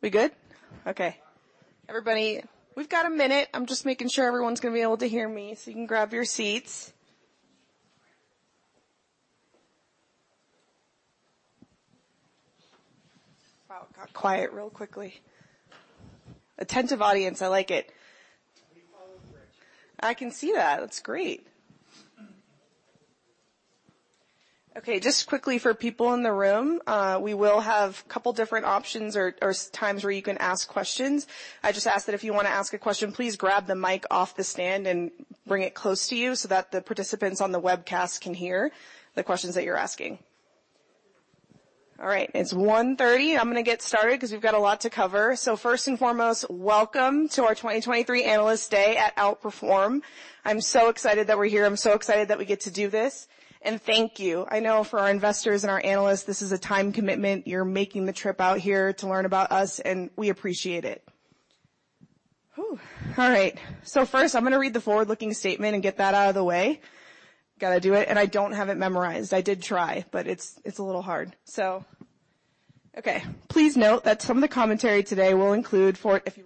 We good? Okay. Everybody, we've got a minute. I'm just making sure everyone's gonna be able to hear me, so you can grab your seats. Wow, it got quiet real quickly. Attentive audience. I like it. We followed directions. I can see that. That's great. Okay, just quickly for people in the room, we will have couple different options or times where you can ask questions. I just ask that if you wanna ask a question, please grab the mic off the stand and bring it close to you so that the participants on the webcast can hear the questions that you're asking. All right, it's 1:30, I'm gonna get started 'cause we've got a lot to cover. First and foremost, welcome to our 2023 Analyst Day at Outperform. I'm so excited that we're here. I'm so excited that we get to do this. Thank you. I know for our investors and our analysts, this is a time commitment. You're making the trip out here to learn about us, and we appreciate it. Whoo, all right. First, I'm gonna read the forward-looking statement and get that out of the way. Gotta do it, and I don't have it memorized. I did try, but it's a little hard. Okay. Please note that some of the commentary today will include forward-looking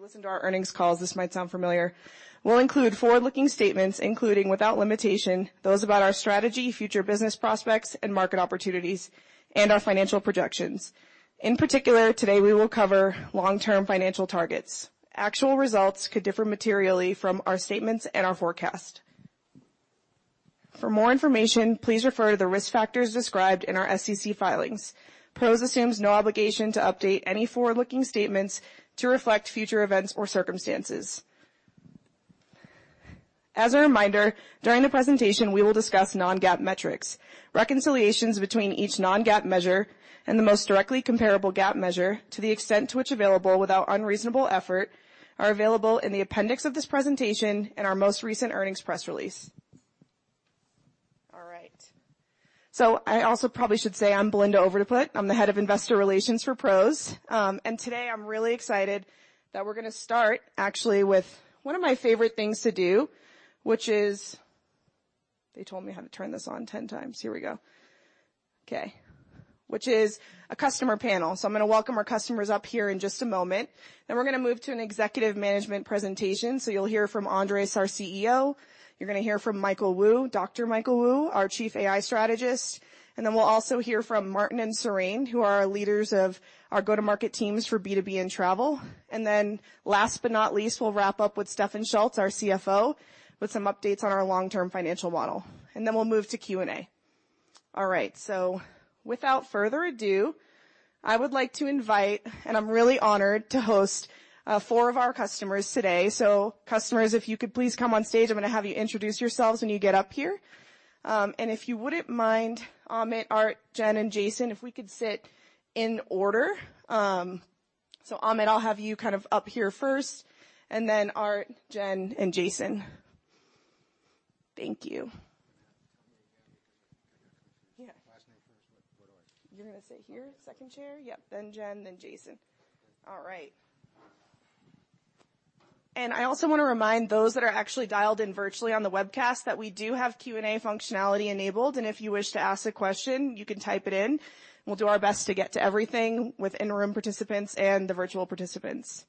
statements, including, without limitation, those about our strategy, future business prospects and market opportunities, and our financial projections. In particular, today we will cover long-term financial targets. Actual results could differ materially from our statements and our forecast. For more information, please refer to the risk factors described in our SEC filings. PROS assumes no obligation to update any forward-looking statements to reflect future events or circumstances. As a reminder, during the presentation, we will discuss non-GAAP metrics. Reconciliations between each non-GAAP measure and the most directly comparable GAAP measure, to the extent to which available without unreasonable effort, are available in the appendix of this presentation and our most recent earnings press release. All right. I also probably should say I'm Belinda Overeynder. I'm the head of investor relations for PROS. Today, I'm really excited that we're gonna start actually with one of my favorite things to do, which is. They told me how to turn this on 10x. Here we go. Okay. Which is a customer panel. I'm gonna welcome our customers up here in just a moment. We're gonna move to an executive management presentation. You'll hear from Andres, our Chief Executive Officer. You're gonna hear from Michael Wu, Dr. Michael Wu, our Chief AI Strategist, we'll also hear from Martin and Surain, who are our leaders of our Go-to-Market teams for B2B and travel. Last but not least, we'll wrap up with Stefan Schulz, our Chief Financial Officer, with some updates on our long-term financial model. We'll move to Q&A. All right, without further ado, I would like to invite, and I'm really honored to host, four of our customers today. Customers, if you could please come on stage. I'm gonna have you introduce yourselves when you get up here. And if you wouldn't mind, Amit, Art, Jen, and Jason, if we could sit in order. Amit, I'll have you kind of up here first, and then Art, Jen, and Jason. Thank you. again because I got confused. Yeah. Last name first. What, what order? You're gonna sit here, second chair. Yep, then Jen, then Jason. All right. I also wanna remind those that are actually dialed in virtually on the webcast that we do have Q&A functionality enabled, and if you wish to ask a question, you can type it in. We'll do our best to get to everything with in-room participants and the virtual participants.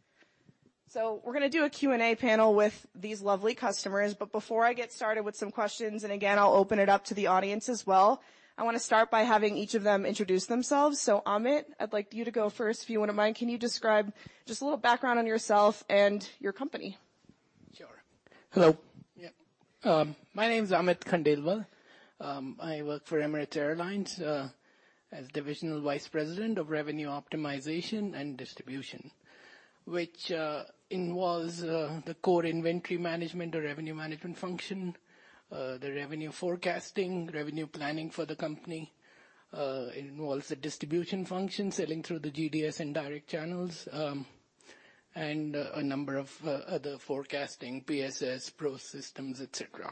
We're gonna do a Q&A panel with these lovely customers. Before I get started with some questions, and again, I'll open it up to the audience as well, I wanna start by having each of them introduce themselves. Amit, I'd like you to go first, if you wouldn't mind. Can you describe just a little background on yourself and your company? Sure. Hello. Yeah. My name's Amit Khandelwal. I work for Emirates Airlines as Divisional Vice President of Revenue Optimization and Distribution, which involves the core inventory management or revenue management function, the revenue forecasting, revenue planning for the company. It involves the distribution function, selling through the GDS and direct channels, and a number of other forecasting, PSS, PROS systems, et cetera.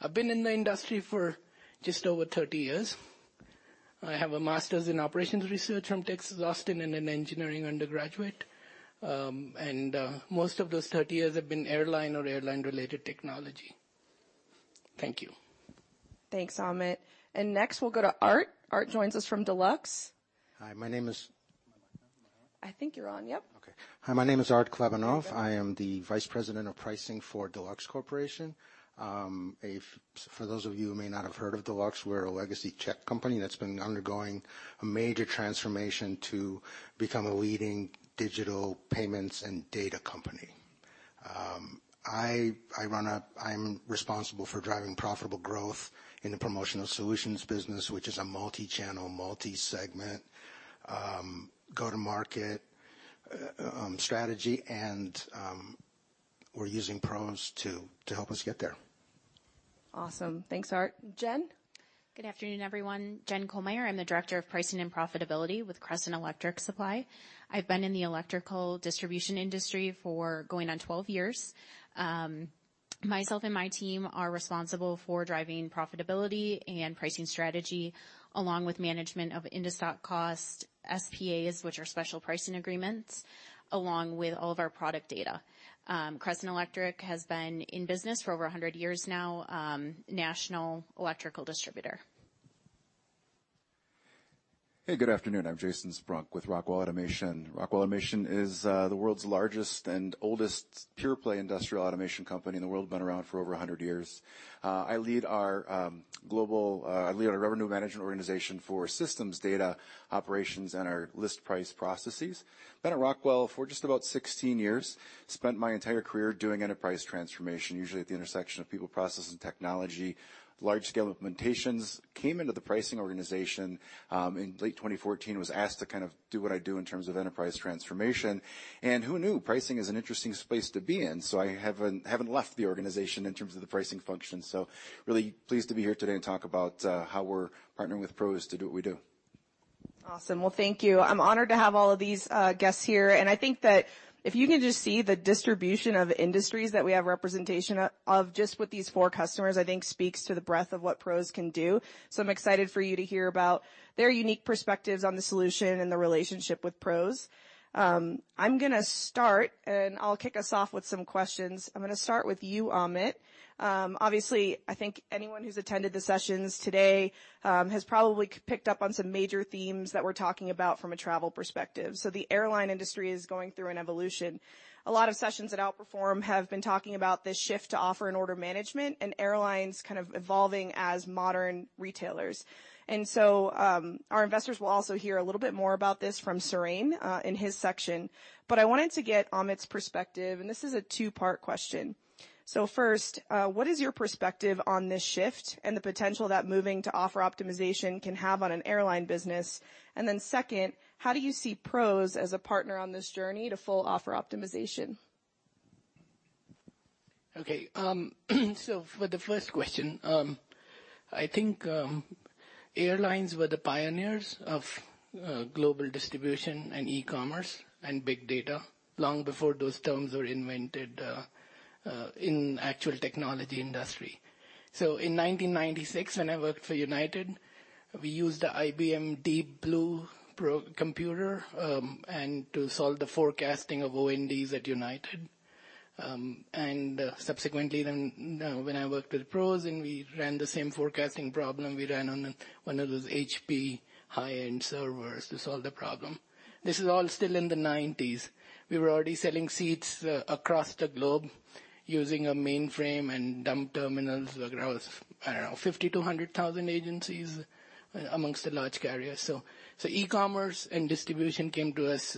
I've been in the industry for just over 30 years. I have a master's in operations research from Texas Austin and an engineering undergraduate. Most of those 30 years have been airline or airline-related technology. Thank you. Thanks, Amit. Next, we'll go to Art. Art joins us from Deluxe. Hi, my name is... Am I on? Am I on? I think you're on. Yep. Okay. Hi, my name is Art Klebanov. There you go. I am the Vice President of Pricing for Deluxe Corporation. For those of you who may not have heard of Deluxe, we're a legacy check company that's been undergoing a major transformation to become a leading digital payments and data company. I'm responsible for driving profitable growth in the promotional solutions business, which is a multi-channel, multi-segment, go-to-market strategy, and we're using PROS to help us get there. Awesome. Thanks, Art. Jen? Good afternoon, everyone. Jen Kohlmeyer. I'm the Director of Pricing and Profitability with Crescent Electric Supply. I've been in the electrical distribution industry for going on 12 years. Myself and my team are responsible for driving profitability and pricing strategy along with management of into stock cost SPAs, which are special pricing agreements, along with all of our product data. Crescent Electric has been in business for over 100 years now, national electrical distributor. Hey, good afternoon. I'm Jason Sprunk with Rockwell Automation. Rockwell Automation is the world's largest and oldest pure-play industrial automation company in the world. Been around for over 100 years. I lead our revenue management organization for systems, data, operations, and our list price processes. Been at Rockwell for just about 16 years. Spent my entire career doing enterprise transformation, usually at the intersection of people, process, and technology, large-scale implementations. Came into the pricing organization in late 2014, was asked to kind of do what I do in terms of enterprise transformation. Who knew, pricing is an interesting space to be in, so I haven't left the organization in terms of the pricing function. Really pleased to be here today and talk about how we're partnering with PROS to do what we do. Awesome. Well, thank you. I'm honored to have all of these guests here. I think that if you can just see the distribution of industries that we have representation of just with these four customers, I think speaks to the breadth of what PROS can do. I'm excited for you to hear about their unique perspectives on the solution and the relationship with PROS. I'm gonna start, and I'll kick us off with some questions. I'm gonna start with you, Amit. Obviously, I think anyone who's attended the sessions today, has probably picked up on some major themes that we're talking about from a travel perspective. The airline industry is going through an evolution. A lot of sessions at Outperform have been talking about this shift to offer and order management and airlines kind of evolving as modern retailers. Our investors will also hear a little bit more about this from Serene in his section. I wanted to get Amit's perspective, and this is a two-part question. First, what is your perspective on this shift and the potential that moving to offer optimization can have on an airline business? Second, how do you see PROS as a partner on this journey to full offer optimization? Okay. For the first question, I think airlines were the pioneers of global distribution and E-commerce and big data, long before those terms were invented in actual technology industry. In 1996, when I worked for United, we used the IBM Deep Blue computer to solve the forecasting of O&Ds at United. Subsequently, when I worked with PROS and we ran the same forecasting problem, we ran on one of those HP high-end servers to solve the problem. This is all still in the nineties. We were already selling seats across the globe using a mainframe and dumb terminals. I don't know, 50,000-100,000 agencies amongst the large carriers. E-commerce and distribution came to us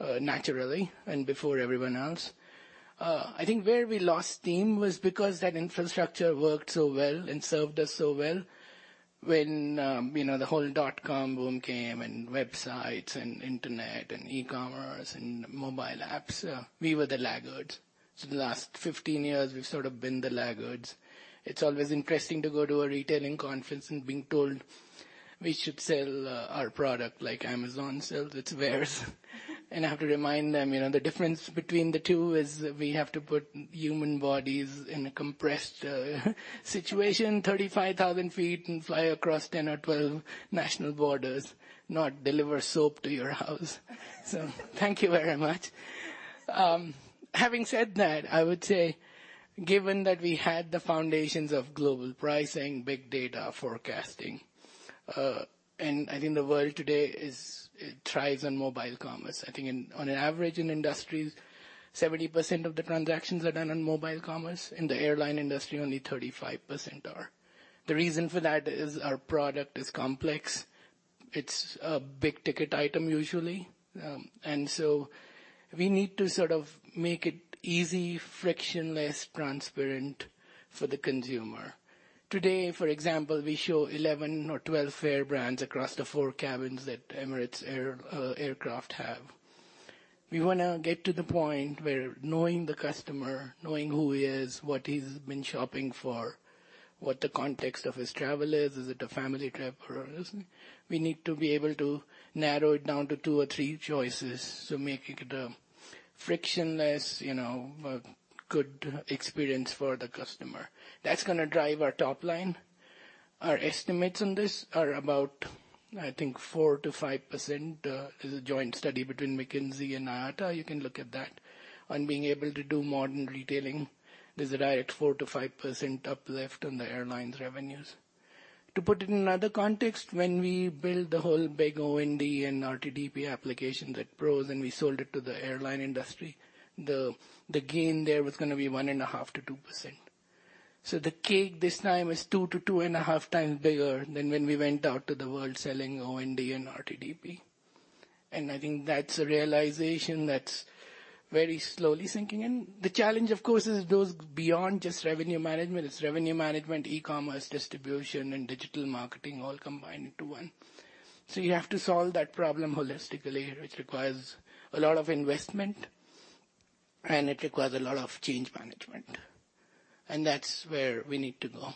naturally and before everyone else. I think where we lost steam was because that infrastructure worked so well and served us so well. When, you know, the whole dot-com boom came and websites and Internet and E-commerce and mobile apps, we were the laggards. The last 15 years, we've sort of been the laggards. It's always interesting to go to a retailing conference and being told we should sell our product like Amazon sells its wares. I have to remind them, you know, the difference between the two is we have to put human bodies in a compressed situation 35,000 feet and fly across 10 or 12 national borders, not deliver soap to your house. Thank you very much. Having said that, I would say, given that we had the foundations of global pricing, big data forecasting, it thrives on mobile commerce. I think on an average in industries, 70% of the transactions are done on mobile commerce. In the airline industry, only 35% are. The reason for that is our product is complex. It's a big-ticket item usually. We need to sort of make it easy, frictionless, transparent for the consumer. Today, for example, we show 11 or 12 air brands across the four cabins that Emirates aircraft have. We wanna get to the point where knowing the customer, knowing who he is, what he's been shopping for, what the context of his travel is. Is it a family trip or isn't it? We need to be able to narrow it down to two or three choices, making it a frictionless, you know, a good experience for the customer. That's gonna drive our top line. Our estimates on this are about, I think, 4%-5%. There's a joint study between McKinsey and IATA. You can look at that. On being able to do modern retailing, there's right at 4%-5% uplift on the airline's revenues. To put it in another context, when we build the whole big OND and RTDP application at PROS, and we sold it to the airline industry, the gain there was gonna be 1.5%-2%. The cake this time is 2x-2.5x bigger than when we went out to the world selling OND and RTDP. I think that's a realization that's very slowly sinking in. The challenge, of course, is it goes beyond just revenue management. It's revenue management, E-commerce, distribution, and digital marketing all combined into one. You have to solve that problem holistically, which requires a lot of investment, and it requires a lot of change management. That's where we need to go.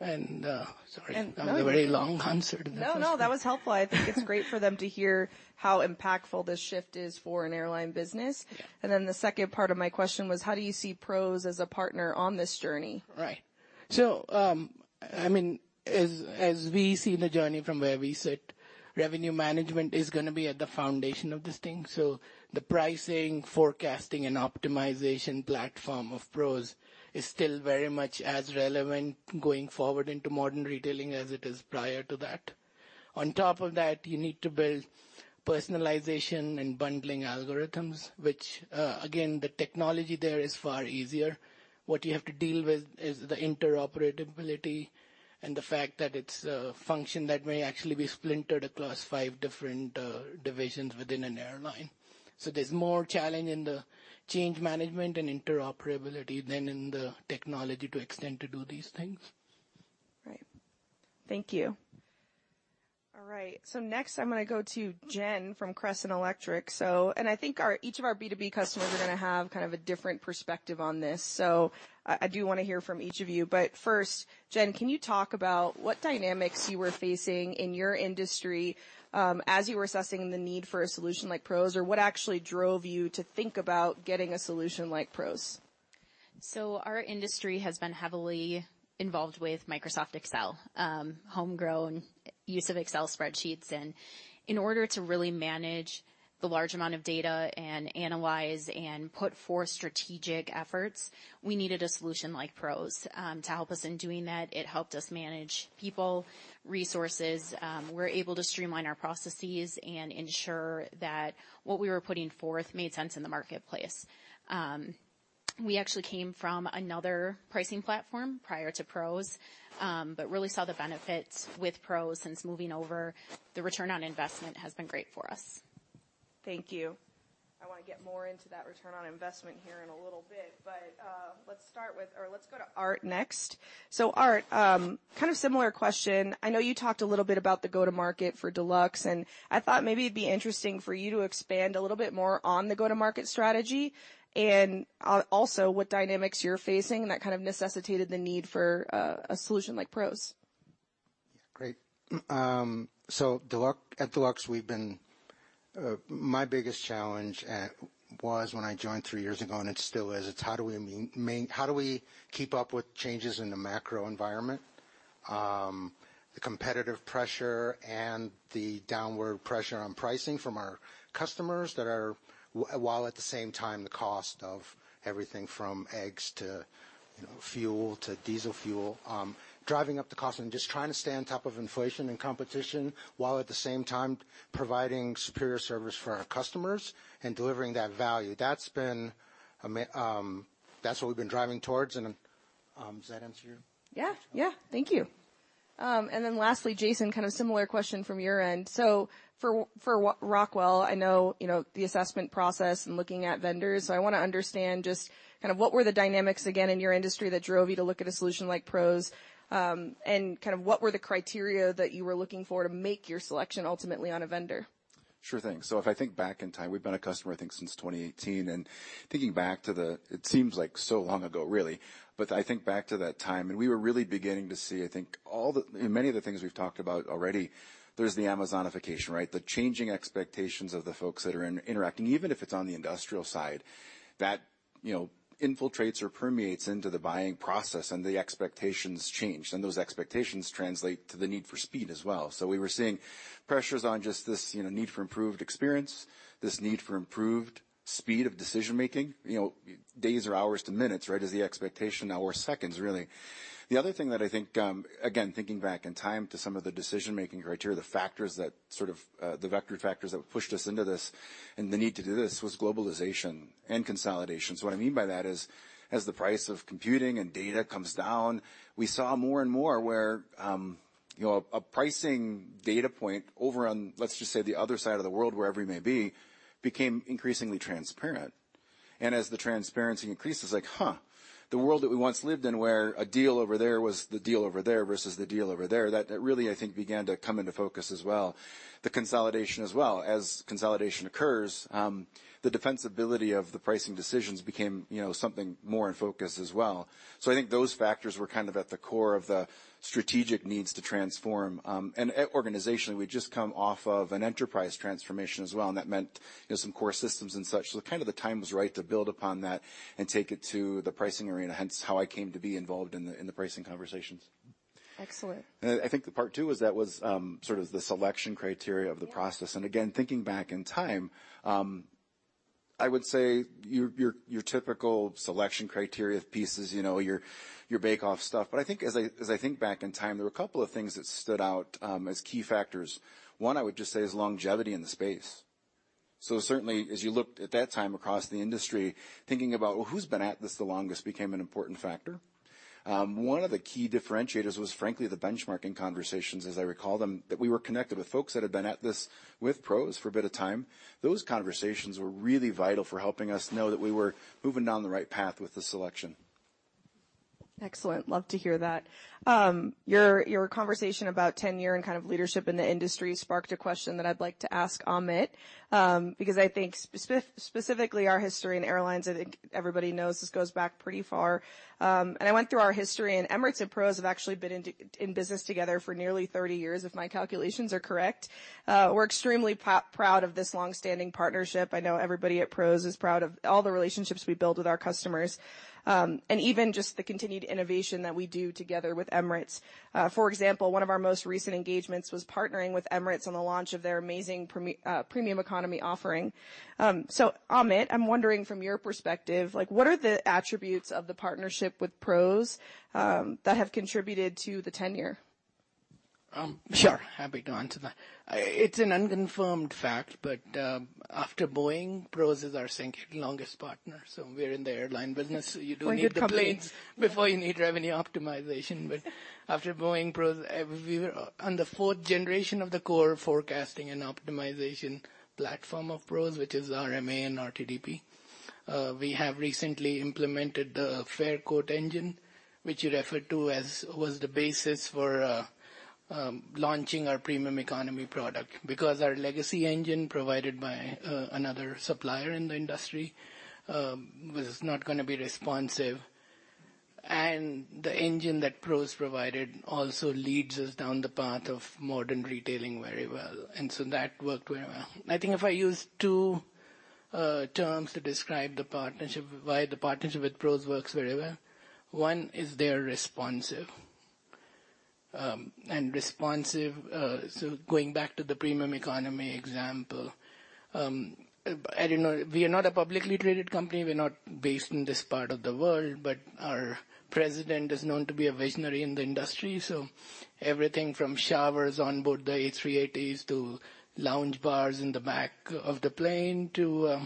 Sorry, a very long answer to that question. No, no, that was helpful. I think it's great for them to hear how impactful this shift is for an airline business. Yeah. The second part of my question was, how do you see PROS as a partner on this journey? Right. I mean, as we see the journey from where we sit, revenue management is gonna be at the foundation of this thing. The pricing, forecasting, and optimization platform of PROS is still very much as relevant going forward into modern retailing as it is prior to that. On top of that, you need to build personalization and bundling algorithms, which, again, the technology there is far easier. What you have to deal with is the interoperability and the fact that it's a function that may actually be splintered across five different divisions within an airline. There's more challenge in the change management and interoperability than in the technology to extent to do these things. Right. Thank you. All right, next I'm gonna go to Jen from Crescent Electric. I think our, each of our B2B customers are gonna have kind of a different perspective on this. I do wanna hear from each of you. First, Jen, can you talk about what dynamics you were facing in your industry, as you were assessing the need for a solution like PROS? What actually drove you to think about getting a solution like PROS? Our industry has been heavily involved with Microsoft Excel, homegrown use of Excel spreadsheets. In order to really manage the large amount of data and analyze and put forth strategic efforts, we needed a solution like PROS to help us in doing that. It helped us manage people, resources, we're able to streamline our processes and ensure that what we were putting forth made sense in the marketplace. We actually came from another pricing platform prior to PROS, but really saw the benefits with PROS since moving over. The return on investment has been great for us. Thank you. I wanna get more into that return on investment here in a little bit, but let's go to Art next. Art, kind of similar question. I know you talked a little bit about the go-to-market for Deluxe, and I thought maybe it'd be interesting for you to expand a little bit more on the go-to-market strategy and also what dynamics you're facing, and that kind of necessitated the need for a solution like PROS. Great. At Deluxe, we've been, my biggest challenge at, was when I joined three years ago, and it still is, it's how do we keep up with changes in the macro environment, the competitive pressure and the downward pressure on pricing from our customers while at the same time, the cost of everything from eggs to, you know, fuel to diesel fuel, driving up the cost and just trying to stay on top of inflation and competition, while at the same time providing superior service for our customers and delivering that value. That's what we've been driving towards and, does that answer you? Yeah. Yeah. Thank you. Lastly, Jason, kind of similar question from your end. For Rockwell, I know, you know, the assessment process and looking at vendors. I wanna understand just kind of what were the dynamics again in your industry that drove you to look at a solution like PROS, and kind of what were the criteria that you were looking for to make your selection ultimately on a vendor? Sure thing. If I think back in time, we've been a customer, I think, since 2018. It seems like so long ago, really. I think back to that time, we were really beginning to see, I think many of the things we've talked about already. There's the Amazonification, right? The changing expectations of the folks that are interacting, even if it's on the industrial side, that, you know, infiltrates or permeates into the buying process, and the expectations change, and those expectations translate to the need for speed as well. We were seeing pressures on just this, you know, need for improved experience, this need for improved speed of decision-making. You know, days or hours to minutes, right, is the expectation, now we're seconds, really. The other thing that I think, again, thinking back in time to some of the decision-making criteria, the factors that sort of, the vector factors that pushed us into this and the need to do this was globalization and consolidation. What I mean by that is as the price of computing and data comes down, we saw more and more where, you know, a pricing data point over on, let's just say, the other side of the world, wherever he may be, became increasingly transparent. As the transparency increases, like, huh, the world that we once lived in, where a deal over there was the deal over there versus the deal over there, that really, I think, began to come into focus as well. The consolidation as well. As consolidation occurs, the defensibility of the pricing decisions became, you know, something more in focus as well. I think those factors were kind of at the core of the strategic needs to transform. Organizationally, we'd just come off of an enterprise transformation as well, and that meant, you know, some core systems and such. Kind of the time was right to build upon that and take it to the pricing arena, hence how I came to be involved in the, in the pricing conversations. Excellent. I think the part 2 was that was, sort of the selection criteria of the process. Yeah. Again, thinking back in time, I would say your typical selection criteria pieces, you know, your bake-off stuff. I think as I think back in time, there were a couple of things that stood out as key factors. One, I would just say is longevity in the space. Certainly, as you looked at that time across the industry, thinking about who's been at this the longest became an important factor. One of the key differentiators was, frankly, the benchmarking conversations, as I recall them, that we were connected with folks that had been at this with PROS for a bit of time. Those conversations were really vital for helping us know that we were moving down the right path with the selection. Excellent. Love to hear that. Your conversation about tenure and kind of leadership in the industry sparked a question that I'd like to ask Amit, because I think specifically our history in airlines, I think everybody knows this goes back pretty far. I went through our history, and Emirates and PROS have actually been in business together for nearly 30 years, if my calculations are correct. We're extremely proud of this long-standing partnership. I know everybody at PROS is proud of all the relationships we build with our customers, and even just the continued innovation that we do together with Emirates. For example, one of our most recent engagements was partnering with Emirates on the launch of their amazing premium economy offering. Amit, I'm wondering from your perspective, like what are the attributes of the partnership with PROS that have contributed to the tenure? Sure. Happy to answer that. It's an unconfirmed fact, but after Boeing, PROS is our second longest partner, so we're in the airline business, so you do need the planes... Point of complaints. After Boeing, PROS, we were on the fourth generation of the core forecasting and optimization platform of PROS, which is RMA and RTDP. We have recently implemented the FareQuote engine, which you referred to as was the basis for launching our premium economy product because our legacy engine provided by another supplier in the industry was not gonna be responsive. The engine that PROS provided also leads us down the path of modern retailing very well. That worked very well. I think if I use two terms to describe the partnership, why the partnership with PROS works very well, one is they are responsive. And responsive, so going back to the premium economy example, I don't know, we are not a publicly traded company. We're not based in this part of the world, but our president is known to be a visionary in the industry. Everything from showers on board the A380s to lounge bars in the back of the plane to,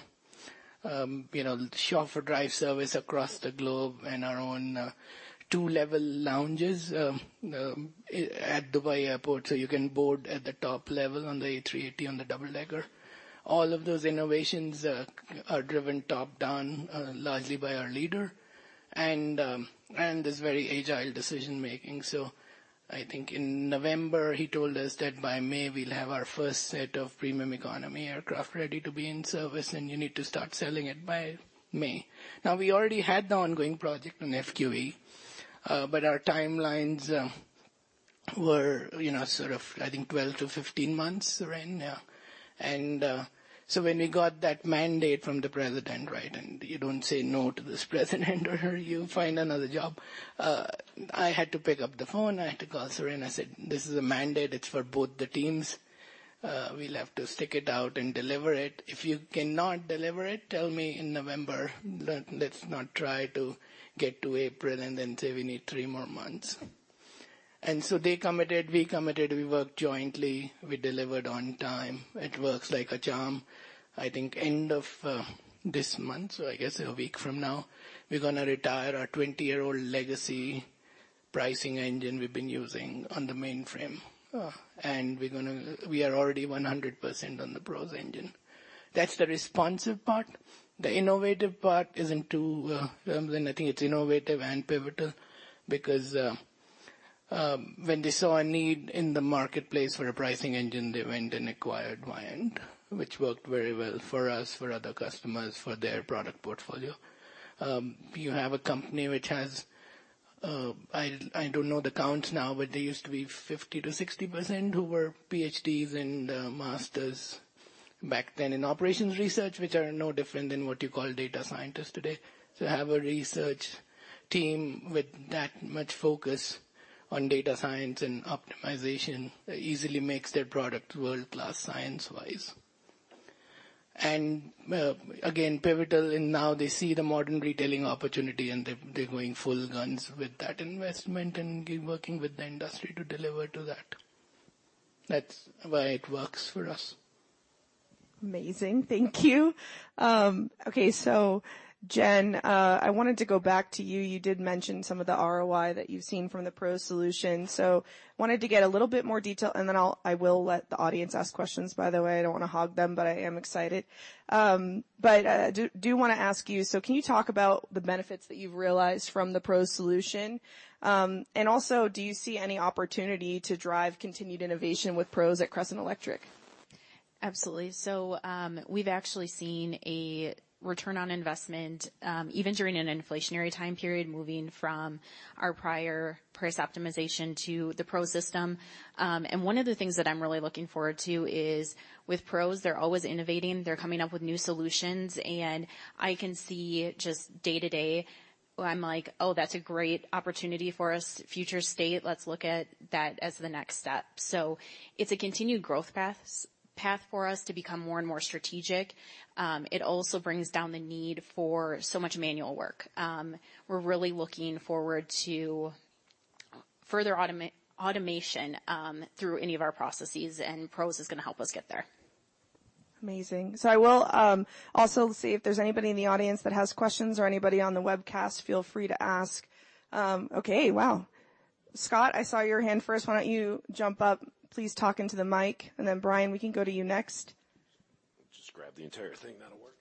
you know, chauffeur drive service across the globe and our own two-level lounges at Dubai Airport, so you can board at the top level on the A380 on the double-decker. All of those innovations are driven top-down, largely by our leader and it's very agile decision-making. I think in November, he told us that by May we'll have our first set of premium economy aircraft ready to be in service, and you need to start selling it by May. We already had the ongoing project on FQE, but our timelines were, you know, sort of, I think 12-15 months, Ren, yeah. When we got that mandate from the president, right, and you don't say no to this president or you find another job, I had to pick up the phone, I had to call Seren. I said, "This is a mandate. It's for both the teams. We'll have to stick it out and deliver it. If you cannot deliver it, tell me in November. Let's not try to get to April and then say we need 3 more months." They committed, we committed, we worked jointly. We delivered on time. It works like a charm. I think end of this month, so I guess a week from now, we're gonna retire our 20-year-old legacy pricing engine we've been using on the mainframe. We are already 100% on the PROS engine. That's the responsive part. The innovative part is in 2 terms, and I think it's innovative and pivotal because when they saw a need in the marketplace for a pricing engine, they went and acquired Vayant, which worked very well for us, for other customers, for their product portfolio. You have a company which has. I don't know the counts now, but they used to be 50%-60% who were PhDs and masters back then in operations research, which are no different than what you call data scientists today. To have a research team with that much focus on data science and optimization easily makes their product world-class, science-wise. Again, pivotal, and now they see the modern retailing opportunity, and they're going full guns with that investment and working with the industry to deliver to that. That's why it works for us. Amazing. Thank you. Jen, I wanted to go back to you. You did mention some of the ROI that you've seen from the PROS solution. Wanted to get a little bit more detail, and then I will let the audience ask questions. By the way, I don't wanna hog them, but I am excited. Do wanna ask you, can you talk about the benefits that you've realized from the PROS solution? Also, do you see any opportunity to drive continued innovation with PROS at Crescent Electric? Absolutely. We've actually seen a return on investment, even during an inflationary time period, moving from our prior price optimization to the PROS system. One of the things that I'm really looking forward to is with PROS, they're always innovating, they're coming up with new solutions, and I can see just day-to-day, I'm like, "Oh, that's a great opportunity for us. Future state, let's look at that as the next step." It's a continued growth path for us to become more and more strategic. It also brings down the need for so much manual work. We're really looking forward to further automation, through any of our processes, and PROS is gonna help us get there. Amazing. I will also see if there's anybody in the audience that has questions or anybody on the webcast, feel free to ask. Wow. Scott, I saw your hand first. Why don't you jump up, please talk into the mic, and then Brian, we can go to you next. Just grab the entire thing. That'll work.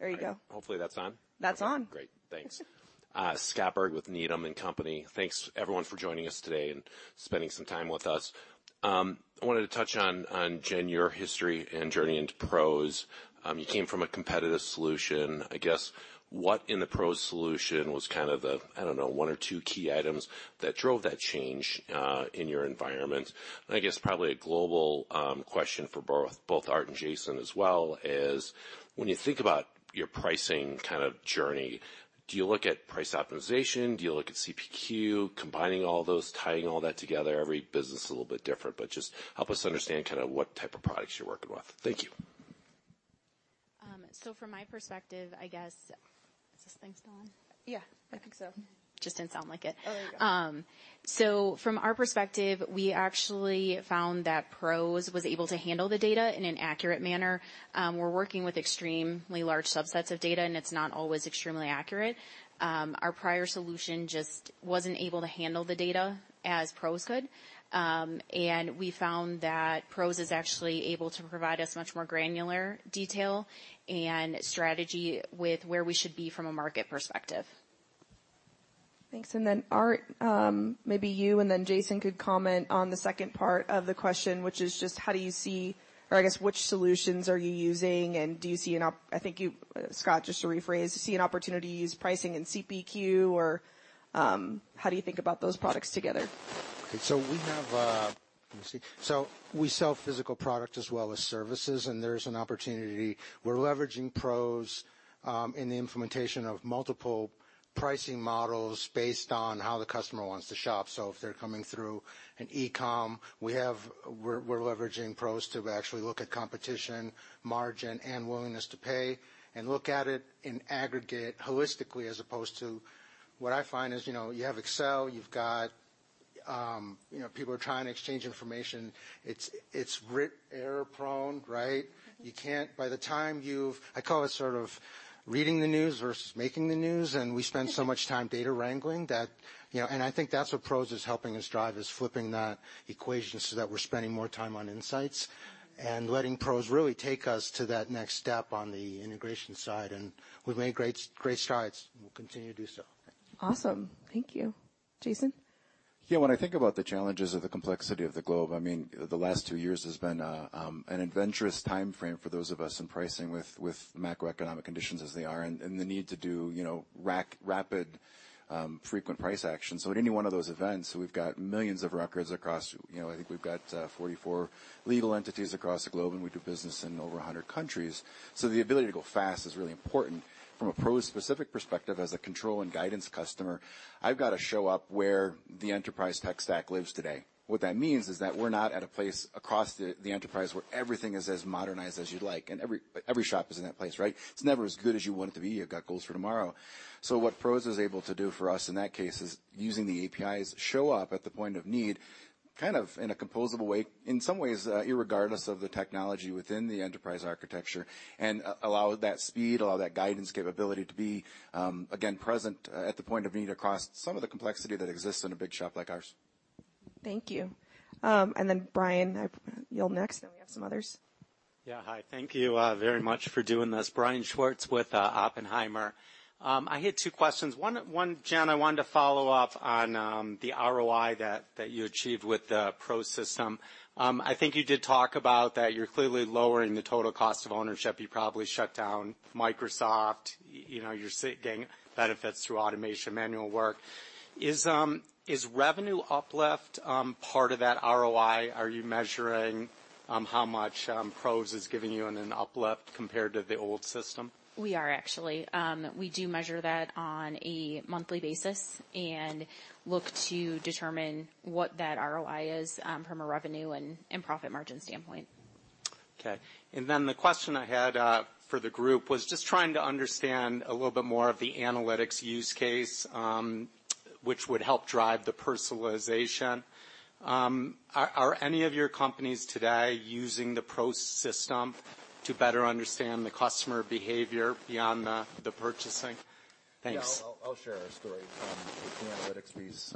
There you go. Hopefully that's on. That's on. Great. Thanks. Scott Berg with Needham & Company. Thanks everyone for joining us today and spending some time with us. I wanted to touch on Jen, your history and journey into PROS. You came from a competitive solution. I guess, what in the PROS solution was kind of the, I don't know, one or two key items that drove that change in your environment? I guess probably a global question for both Art and Jason as well is, when you think about your pricing kind of journey, do you look at price optimization? Do you look at CPQ, combining all those, tying all that together? Every business is a little bit different, just help us understand kind of what type of products you're working with. Thank you. From my perspective, I guess. Is this thing still on? Yeah, I think so. Just didn't sound like it. Oh, there you go. From our perspective, we actually found that PROS was able to handle the data in an accurate manner. We're working with extremely large subsets of data, and it's not always extremely accurate. Our prior solution just wasn't able to handle the data as PROS could. We found that PROS is actually able to provide us much more granular detail and strategy with where we should be from a market perspective. Thanks, Art, maybe you and then Jason could comment on the second part of the question, which is just how do you see or I guess, which solutions are you using, and do you see an I think you, Scott, just to rephrase, do you see an opportunity to use pricing and CPQ, or, how do you think about those products together? We sell physical product as well as services, and there's an opportunity. We're leveraging PROS in the implementation of multiple pricing models based on how the customer wants to shop. If they're coming through an e-com, we're leveraging PROS to actually look at competition, margin, and Willingness-to-Pay and look at it in aggregate holistically, as opposed to what I find is, you know, you have Excel, you've got, you know, people are trying to exchange information. It's error prone, right? Mm-hmm. I call it sort of reading the news versus making the news, and we spend so much time data wrangling that, you know. I think that's what PROS is helping us drive, is flipping that equation so that we're spending more time on insights and letting PROS really take us to that next step on the integration side. We've made great strides, and we'll continue to do so. Awesome. Thank you. Jason? When I think about the challenges of the complexity of the globe, I mean, the last two years has been an adventurous timeframe for those of us in pricing with macroeconomic conditions as they are, and the need to do, you know, rapid, frequent price actions. At any one of those events, we've got millions of records across, you know, I think we've got 44 legal entities across the globe, and we do business in over 100 countries. The ability to go fast is really important. From a PROS specific perspective, as a control and guidance customer, I've got to show up where the enterprise tech stack lives today. What that means is that we're not at a place across the enterprise where everything is as modernized as you'd like, and every shop is in that place, right? It's never as good as you want it to be. You've got goals for tomorrow. What PROS is able to do for us in that case is using the APIs, show up at the point of need, kind of in a composable way, in some ways, irregardless of the technology within the enterprise architecture, and allow that speed, allow that guidance capability to be, again, present at the point of need across some of the complexity that exists in a big shop like ours. Thank you. Brian, you're up next, then we have some others. Hi. Thank you very much for doing this. Brian Schwartz with Oppenheimer. I had two questions. One, Jen, I wanted to follow up on the ROI that you achieved with the PROS system. I think you did talk about that you're clearly lowering the total cost of ownership. You probably shut down Microsoft. You know, you're getting benefits through automation, manual work. Is revenue uplift part of that ROI? Are you measuring how much PROS is giving you in an uplift compared to the old system? We are actually. We do measure that on a monthly basis and look to determine what that ROI is, from a revenue and profit margin standpoint. Okay. The question I had for the group was just trying to understand a little bit more of the analytics use case, which would help drive the personalization. Are any of your companies today using the PROS system to better understand the customer behavior beyond the purchasing? Thanks. Yeah. I'll share a story from the analytics piece.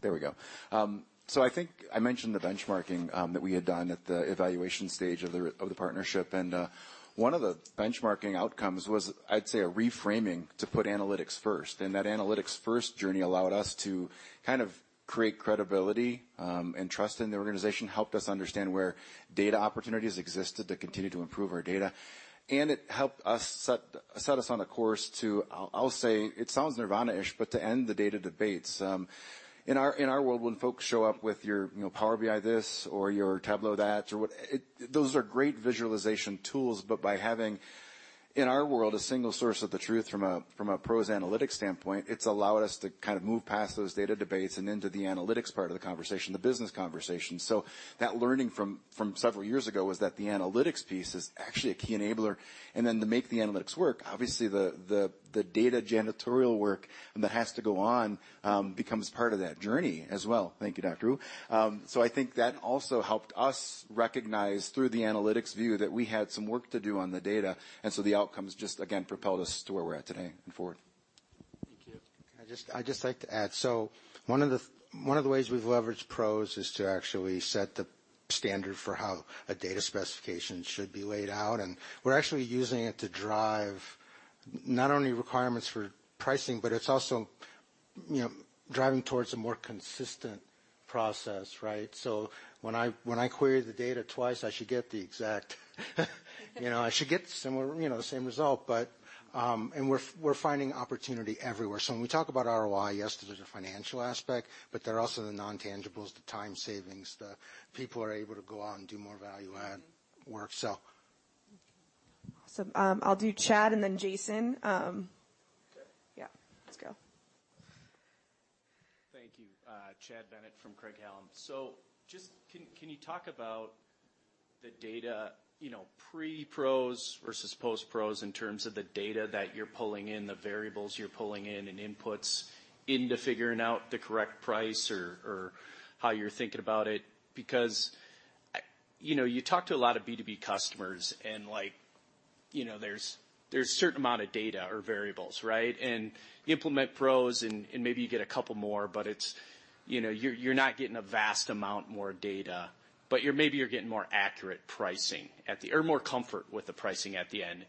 There we go. I think I mentioned the benchmarking that we had done at the evaluation stage of the partnership. One of the benchmarking outcomes was, I'd say, a reframing to put analytics first. That analytics first journey allowed us to kind of create credibility, and trust in the organization, helped us understand where data opportunities existed to continue to improve our data. It helped us set us on a course to, I'll say it sounds Nirvana-ish, but to end the data debates. In our world, when folks show up with your, you know, Power BI this or your Tableau that or what... It... Those are great visualization tools, but by having, in our world, a single source of the truth from a PROS analytics standpoint, it's allowed us to kind of move past those data debates and into the analytics part of the conversation, the business conversation. That learning from several years ago was that the analytics piece is actually a key enabler. Then to make the analytics work, obviously the data janitorial work that has to go on becomes part of that journey as well. Thank you, Dr. Wu. I think that also helped us recognize through the analytics view that we had some work to do on the data, the outcomes just, again, propelled us to where we're at today and forward. Thank you. I'd just like to add. One of the ways we've leveraged PROS is to actually set the standard for how a data specification should be laid out. We're actually using it to drive not only requirements for pricing, but it's also, you know, driving towards a more consistent process, right? When I query the data twice, I should get the exact Mm-hmm. You know, I should get similar, you know, the same result. We're finding opportunity everywhere. When we talk about ROI, yes, there's a financial aspect, but there are also the non-tangibles, the time savings. The people are able to go out and do more value add work. Awesome. I'll do Chad and then Jason. Yeah, let's go. Thank you. Chad Bennett from Craig-Hallum. Just, can you talk about the data, you know, pre-PROS versus post-PROS in terms of the data that you're pulling in, the variables you're pulling in and inputs into figuring out the correct price or how you're thinking about it? You know, you talk to a lot of B2B customers and, like, you know, there's a certain amount of data or variables, right? And you implement PROS and maybe you get a couple more, but it's. You know, you're not getting a vast amount more data, but maybe you're getting more accurate pricing at the or more comfort with the pricing at the end.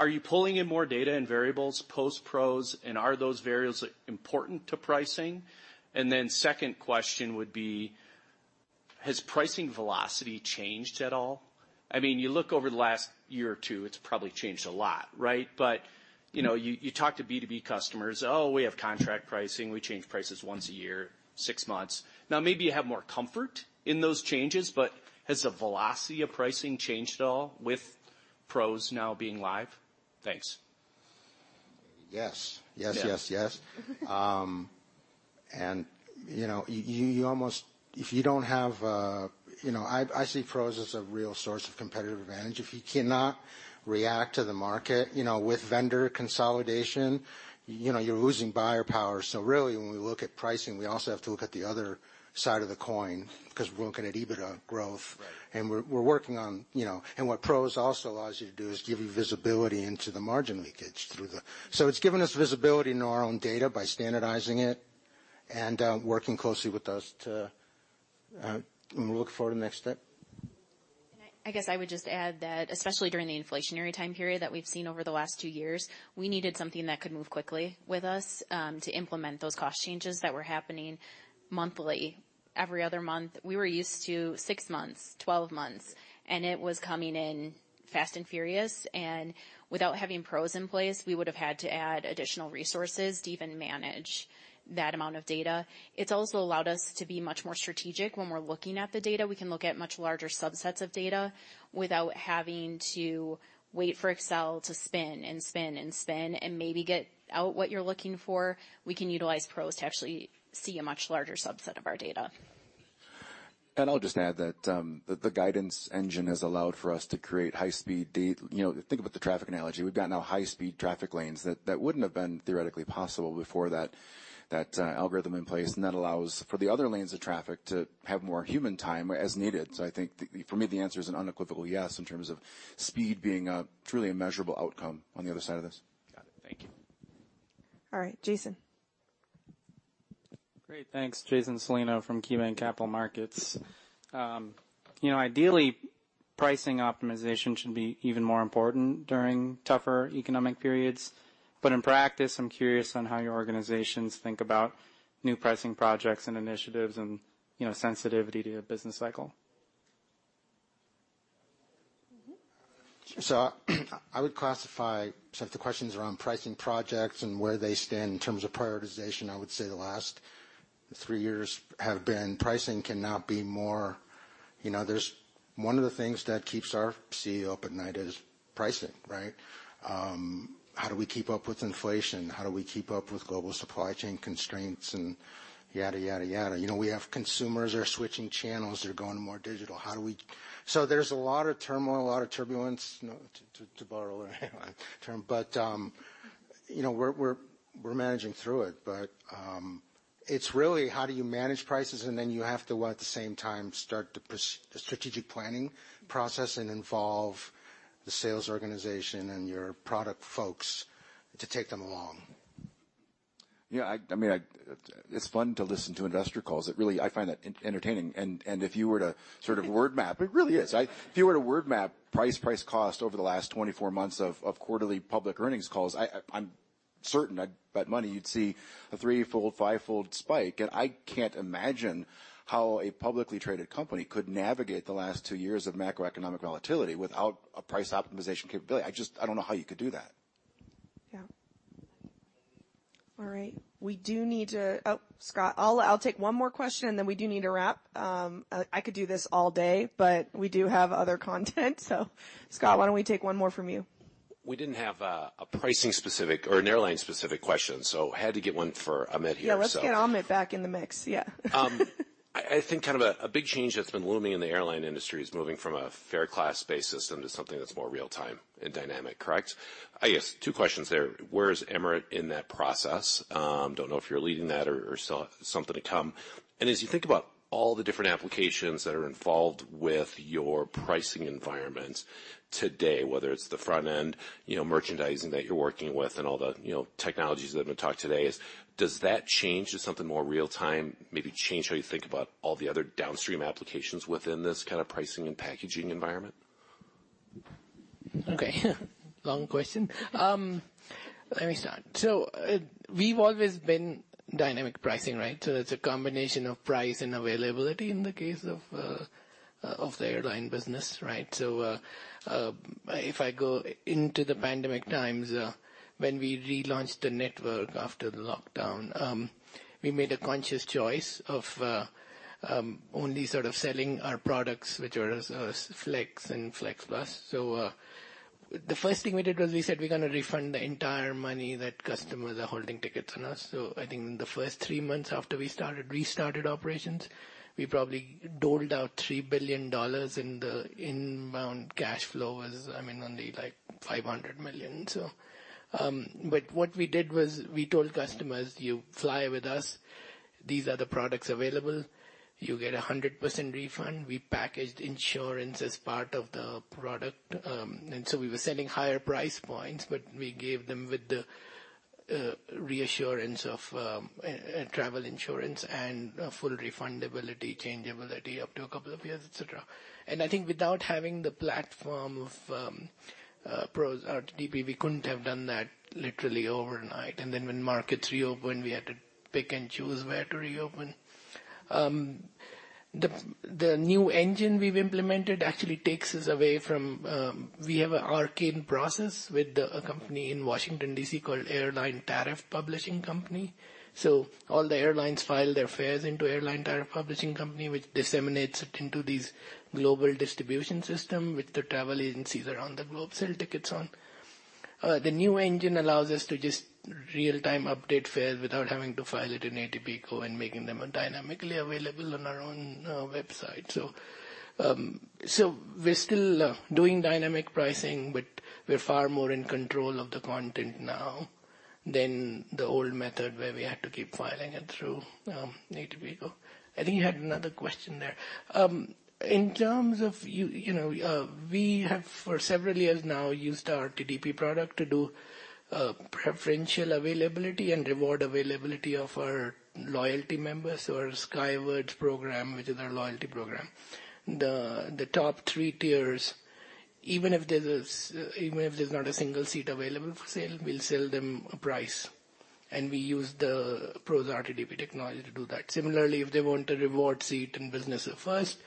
Are you pulling in more data and variables post-PROS, and are those variables important to pricing? Second question would be, has pricing velocity changed at all? I mean, you look over the last year or two, it's probably changed a lot, right? you know, you talk to B2B customers, "Oh, we have contract pricing. We change prices once a year, six months." maybe you have more comfort in those changes, but has the velocity of pricing changed at all with PROS now being live? Thanks. Yes. Yes, yes. Yeah. You know, you almost... If you don't have... You know, I see PROS as a real source of competitive advantage. If you cannot react to the market, you know, with vendor consolidation, you know, you're losing buyer power. Really when we look at pricing, we also have to look at the other side of the coin, because we're looking at EBITDA growth. Right. We're working on, you know. What PROS also allows you to do is give you visibility into the margin leakage through the. It's given us visibility into our own data by standardizing it and working closely with us to look for the next step. I guess I would just add that especially during the inflationary time period that we've seen over the last 2 years, we needed something that could move quickly with us to implement those cost changes that were happening monthly, every other month. We were used to 6 months, 12 months, it was coming in fast and furious, and without having PROS in place, we would have had to add additional resources to even manage that amount of data. It's also allowed us to be much more strategic when we're looking at the data. We can look at much larger subsets of data without having to wait for Excel to spin and spin and spin and maybe get out what you're looking for. We can utilize PROS to actually see a much larger subset of our data. I'll just add that, the guidance engine has allowed for us to create high speed. You know, think about the traffic analogy. We've got now high-speed traffic lanes that wouldn't have been theoretically possible before that algorithm in place, and that allows for the other lanes of traffic to have more human time as needed. I think for me, the answer is an unequivocal yes in terms of speed being a truly immeasurable outcome on the other side of this. Got it. Thank you. All right, Jason. Great. Thanks. Jason Celino from KeyBanc Capital Markets. you know, ideally, pricing optimization should be even more important during tougher economic periods. In practice, I'm curious on how your organizations think about new pricing projects and initiatives and, you know, sensitivity to your business cycle. I would classify. If the question's around pricing projects and where they stand in terms of prioritization, I would say the last three years have been pricing cannot be more. You know, there's one of the things that keeps our Chief Executive Officer up at night is pricing, right? How do we keep up with inflation? How do we keep up with global supply chain constraints and yada, yada? You know, we have consumers are switching channels, they're going more digital. There's a lot of turmoil, a lot of turbulence, you know, to borrow a term. You know, we're managing through it. It's really how do you manage prices, and then you have to, at the same time, start the strategic planning process and involve the sales organization and your product folks to take them along. Yeah, It's fun to listen to investor calls. It really, I find it entertaining. It is. It really is. If you were to word map price cost over the last 24 months of quarterly public earnings calls, I'm certain, I'd bet money you'd see a 3-fold, 5-fold spike. I can't imagine how a publicly traded company could navigate the last two years of macroeconomic volatility without a price optimization capability. I don't know how you could do that. Yeah. All right. We do need to... Scott. I'll take one more question, and then we do need to wrap. I could do this all day, but we do have other content. Scott, why don't we take one more from you? We didn't have a pricing specific or an airline specific question, so I had to get one for Amit here, so. Yeah, let's get Amit back in the mix. Yeah. I think kind of a big change that's been looming in the airline industry is moving from a fare class-based system to something that's more real-time and dynamic, correct? I guess two questions there. Where is Emirates in that process? Don't know if you're leading that or still something to come. As you think about all the different applications that are involved with your pricing environment today, whether it's the front end, you know, merchandising that you're working with and all the, you know, technologies that have been talked today is, does that change to something more real-time, maybe change how you think about all the other downstream applications within this kind of pricing and packaging environment? Okay. Long question. Let me start. We've always been dynamic pricing, right? It's a combination of price and availability in the case of the airline business, right? If I go into the pandemic times, when we relaunched the network after the lockdown, we made a conscious choice of only sort of selling our products, which are flex and flex plus. The first thing we did was we said we're gonna refund the entire money that customers are holding tickets on us. I think in the first 3 months after we restarted operations, we probably doled out $3 billion and the inbound cash flow was, I mean, only like $500 million, so. What we did was we told customers, "You fly with us, these are the products available. You get a 100% refund." We packaged insurance as part of the product. We were selling higher price points, but we gave them with the reassurance of travel insurance and a full refundability, changeability up to a couple of years, et cetera. I think without having the platform of PROS RTDP, we couldn't have done that literally overnight. When markets reopened, we had to pick and choose where to reopen. The new engine we've implemented actually takes us away from... We have an arcane process with a company in Washington, D.C. called Airline Tariff Publishing Company. All the airlines file their fares into Airline Tariff Publishing Company, which disseminates it into these global distribution system, which the travel agencies around the globe sell tickets on. The new engine allows us to just real-time update fares without having to file it in ATPCO and making them dynamically available on our own website. We're still doing dynamic pricing, but we're far more in control of the content now than the old method where we had to keep filing it through ATPCO. I think you had another question there. In terms of you know, we have, for several years now, used our TDP product to do preferential availability and reward availability of our loyalty members or Skywards program, which is our loyalty program. The top three tiers, even if there's not a single seat available for sale, we'll sell them a price, and we use the PROS RTDP technology to do that. Similarly, if they want a reward seat in business or first,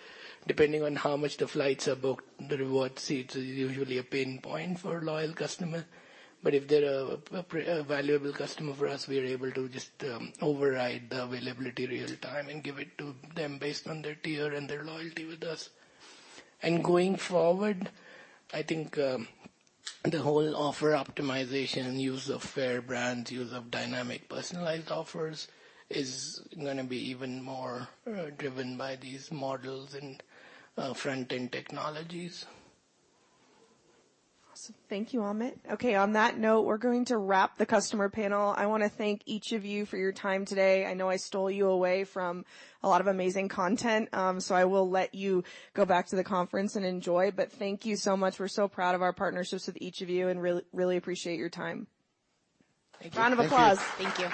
depending on how much the flights are booked, the reward seats is usually a pain point for a loyal customer. If they're a valuable customer for us, we are able to just override the availability real time and give it to them based on their tier and their loyalty with us. Going forward, I think the whole offer optimization and use of fare brands, use of dynamic personalized offers is gonna be even more driven by these models and front-end technologies. Awesome. Thank you, Amit. Okay. On that note, we're going to wrap the customer panel. I wanna thank each of you for your time today. I know I stole you away from a lot of amazing content, so I will let you go back to the conference and enjoy. Thank you so much. We're so proud of our partnerships with each of you and really, really appreciate your time. Thank you. Round of applause. Thank you.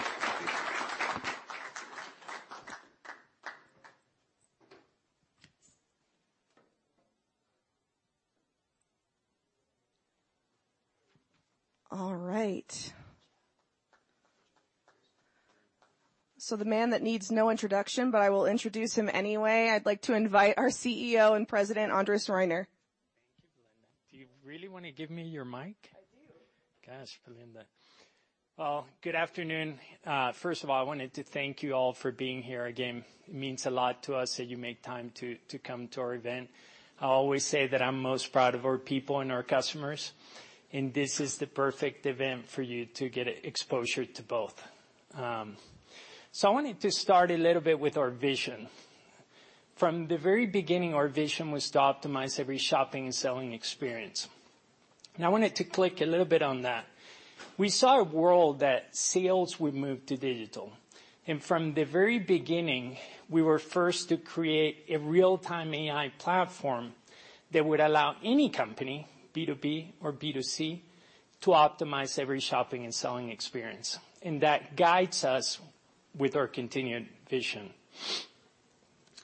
All right. The man that needs no introduction, but I will introduce him anyway. I'd like to invite our Chief Executive Officer and President, Andres Reiner. Thank you, Belinda. Do you really wanna give me your mic? I do. Gosh, Belinda. Well, good afternoon. First of all, I wanted to thank you all for being here again. It means a lot to us that you make time to come to our event. I always say that I'm most proud of our people and our customers, and this is the perfect event for you to get exposure to both. I wanted to start a little bit with our vision. From the very beginning, our vision was to optimize every shopping and selling experience. I wanted to click a little bit on that. We saw a world that sales would move to digital. From the very beginning, we were first to create a real-time AI platform that would allow any company, B2B or B2C, to optimize every shopping and selling experience. That guides us with our continued vision.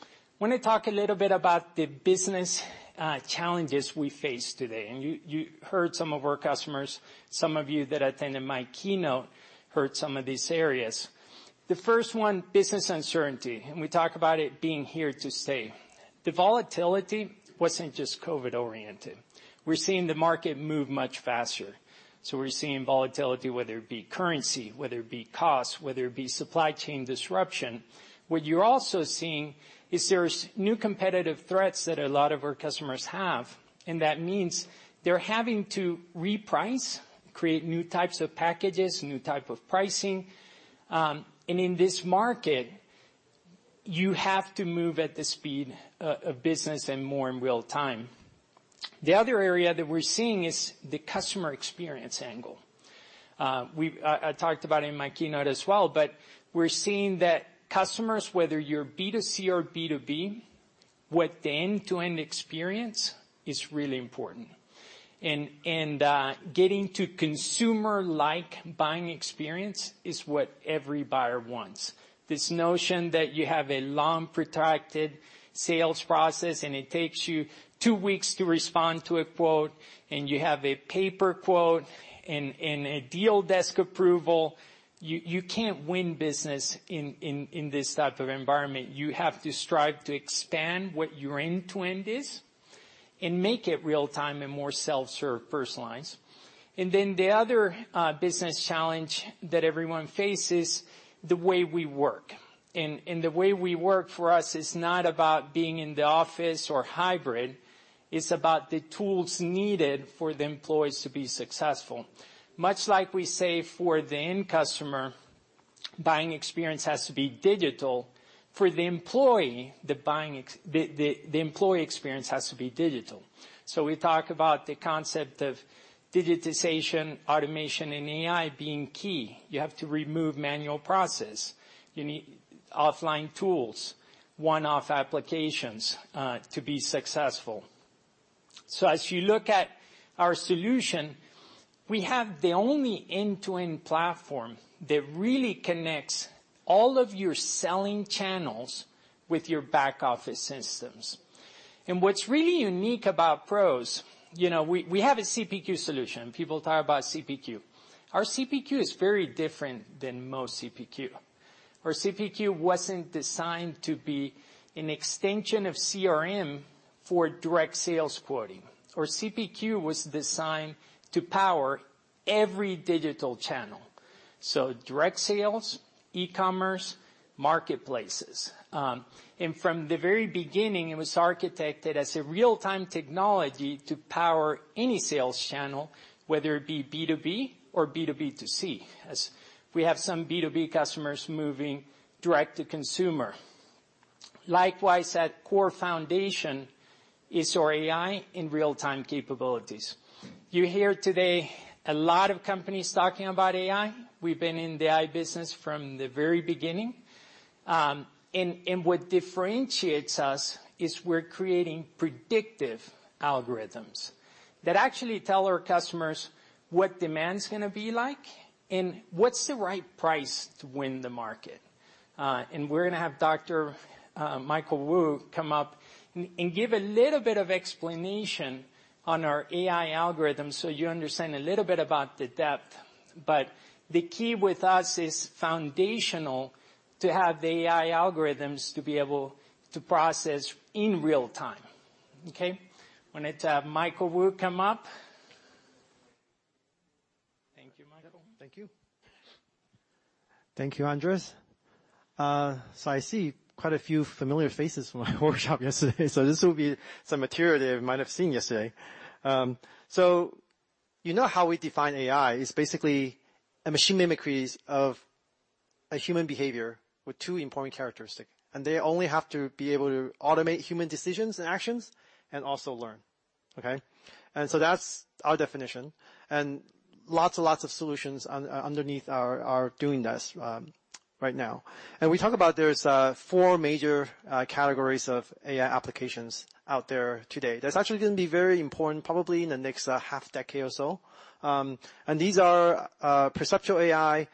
I wanna talk a little bit about the business challenges we face today. You heard some of our customers, some of you that attended my keynote heard some of these areas. The first one, business uncertainty. We talk about it being here to stay. The volatility wasn't just COVID-oriented. We're seeing the market move much faster. We're seeing volatility, whether it be currency, whether it be cost, whether it be supply chain disruption. What you're also seeing is there's new competitive threats that a lot of our customers have. That means they're having to reprice, create new types of packages, new type of pricing. In this market, you have to move at the speed of business and more in real time. The other area that we're seeing is the customer experience angle. I talked about in my keynote as well, but we're seeing that customers, whether you're B2C or B2B, with the end-to-end experience is really important. Getting to consumer-like buying experience is what every buyer wants. This notion that you have a long, protracted sales process and it takes you 2 weeks to respond to a quote, and you have a paper quote and a deal desk approval, you can't win business in this type of environment. You have to strive to expand what your end-to-end is and make it real-time and more self-serve, personalized. The other business challenge that everyone faces, the way we work. The way we work for us is not about being in the office or hybrid, it's about the tools needed for the employees to be successful. Much like we say for the end customer, buying experience has to be digital. For the employee, the employee experience has to be digital. We talk about the concept of digitization, automation, and AI being key. You have to remove manual process. You need offline tools, one-off applications, to be successful. As you look at our solution, we have the only end-to-end platform that really connects all of your selling channels with your back office systems. What's really unique about PROS, you know, we have a CPQ solution. People talk about CPQ. Our CPQ is very different than most CPQ. Our CPQ wasn't designed to be an extension of CRM for direct sales quoting. Our CPQ was designed to power every digital channel, so direct sales, E-commerce, marketplaces. From the very beginning, it was architected as a real-time technology to power any sales channel, whether it be B2B or B2B2C, as we have some B2B customers moving direct to consumer. Likewise, at core foundation is our AI in real-time capabilities. You hear today a lot of companies talking about AI. We've been in the AI business from the very beginning. What differentiates us is we're creating predictive algorithms that actually tell our customers what demand's gonna be like and what's the right price to win the market. We're gonna have Dr. Michael Wu come up and give a little bit of explanation on our AI algorithm so you understand a little bit about the depth. The key with us is foundational to have the AI algorithms to be able to process in real time. Okay. Why don't Michael Wu come up. Thank you, Michael. Thank you. Thank you, Andres. I see quite a few familiar faces from my workshop yesterday. This will be some material that you might have seen yesterday. You know how we define AI. It's basically a machine mimicries of a human behavior with 2 important characteristic, and they only have to be able to automate human decisions and actions, and also learn. Okay? That's our definition, and lots and lots of solutions underneath are doing this right now. We talk about there's 4 major categories of AI applications out there today. That's actually gonna be very important probably in the next half decade or so. These are perceptual AI,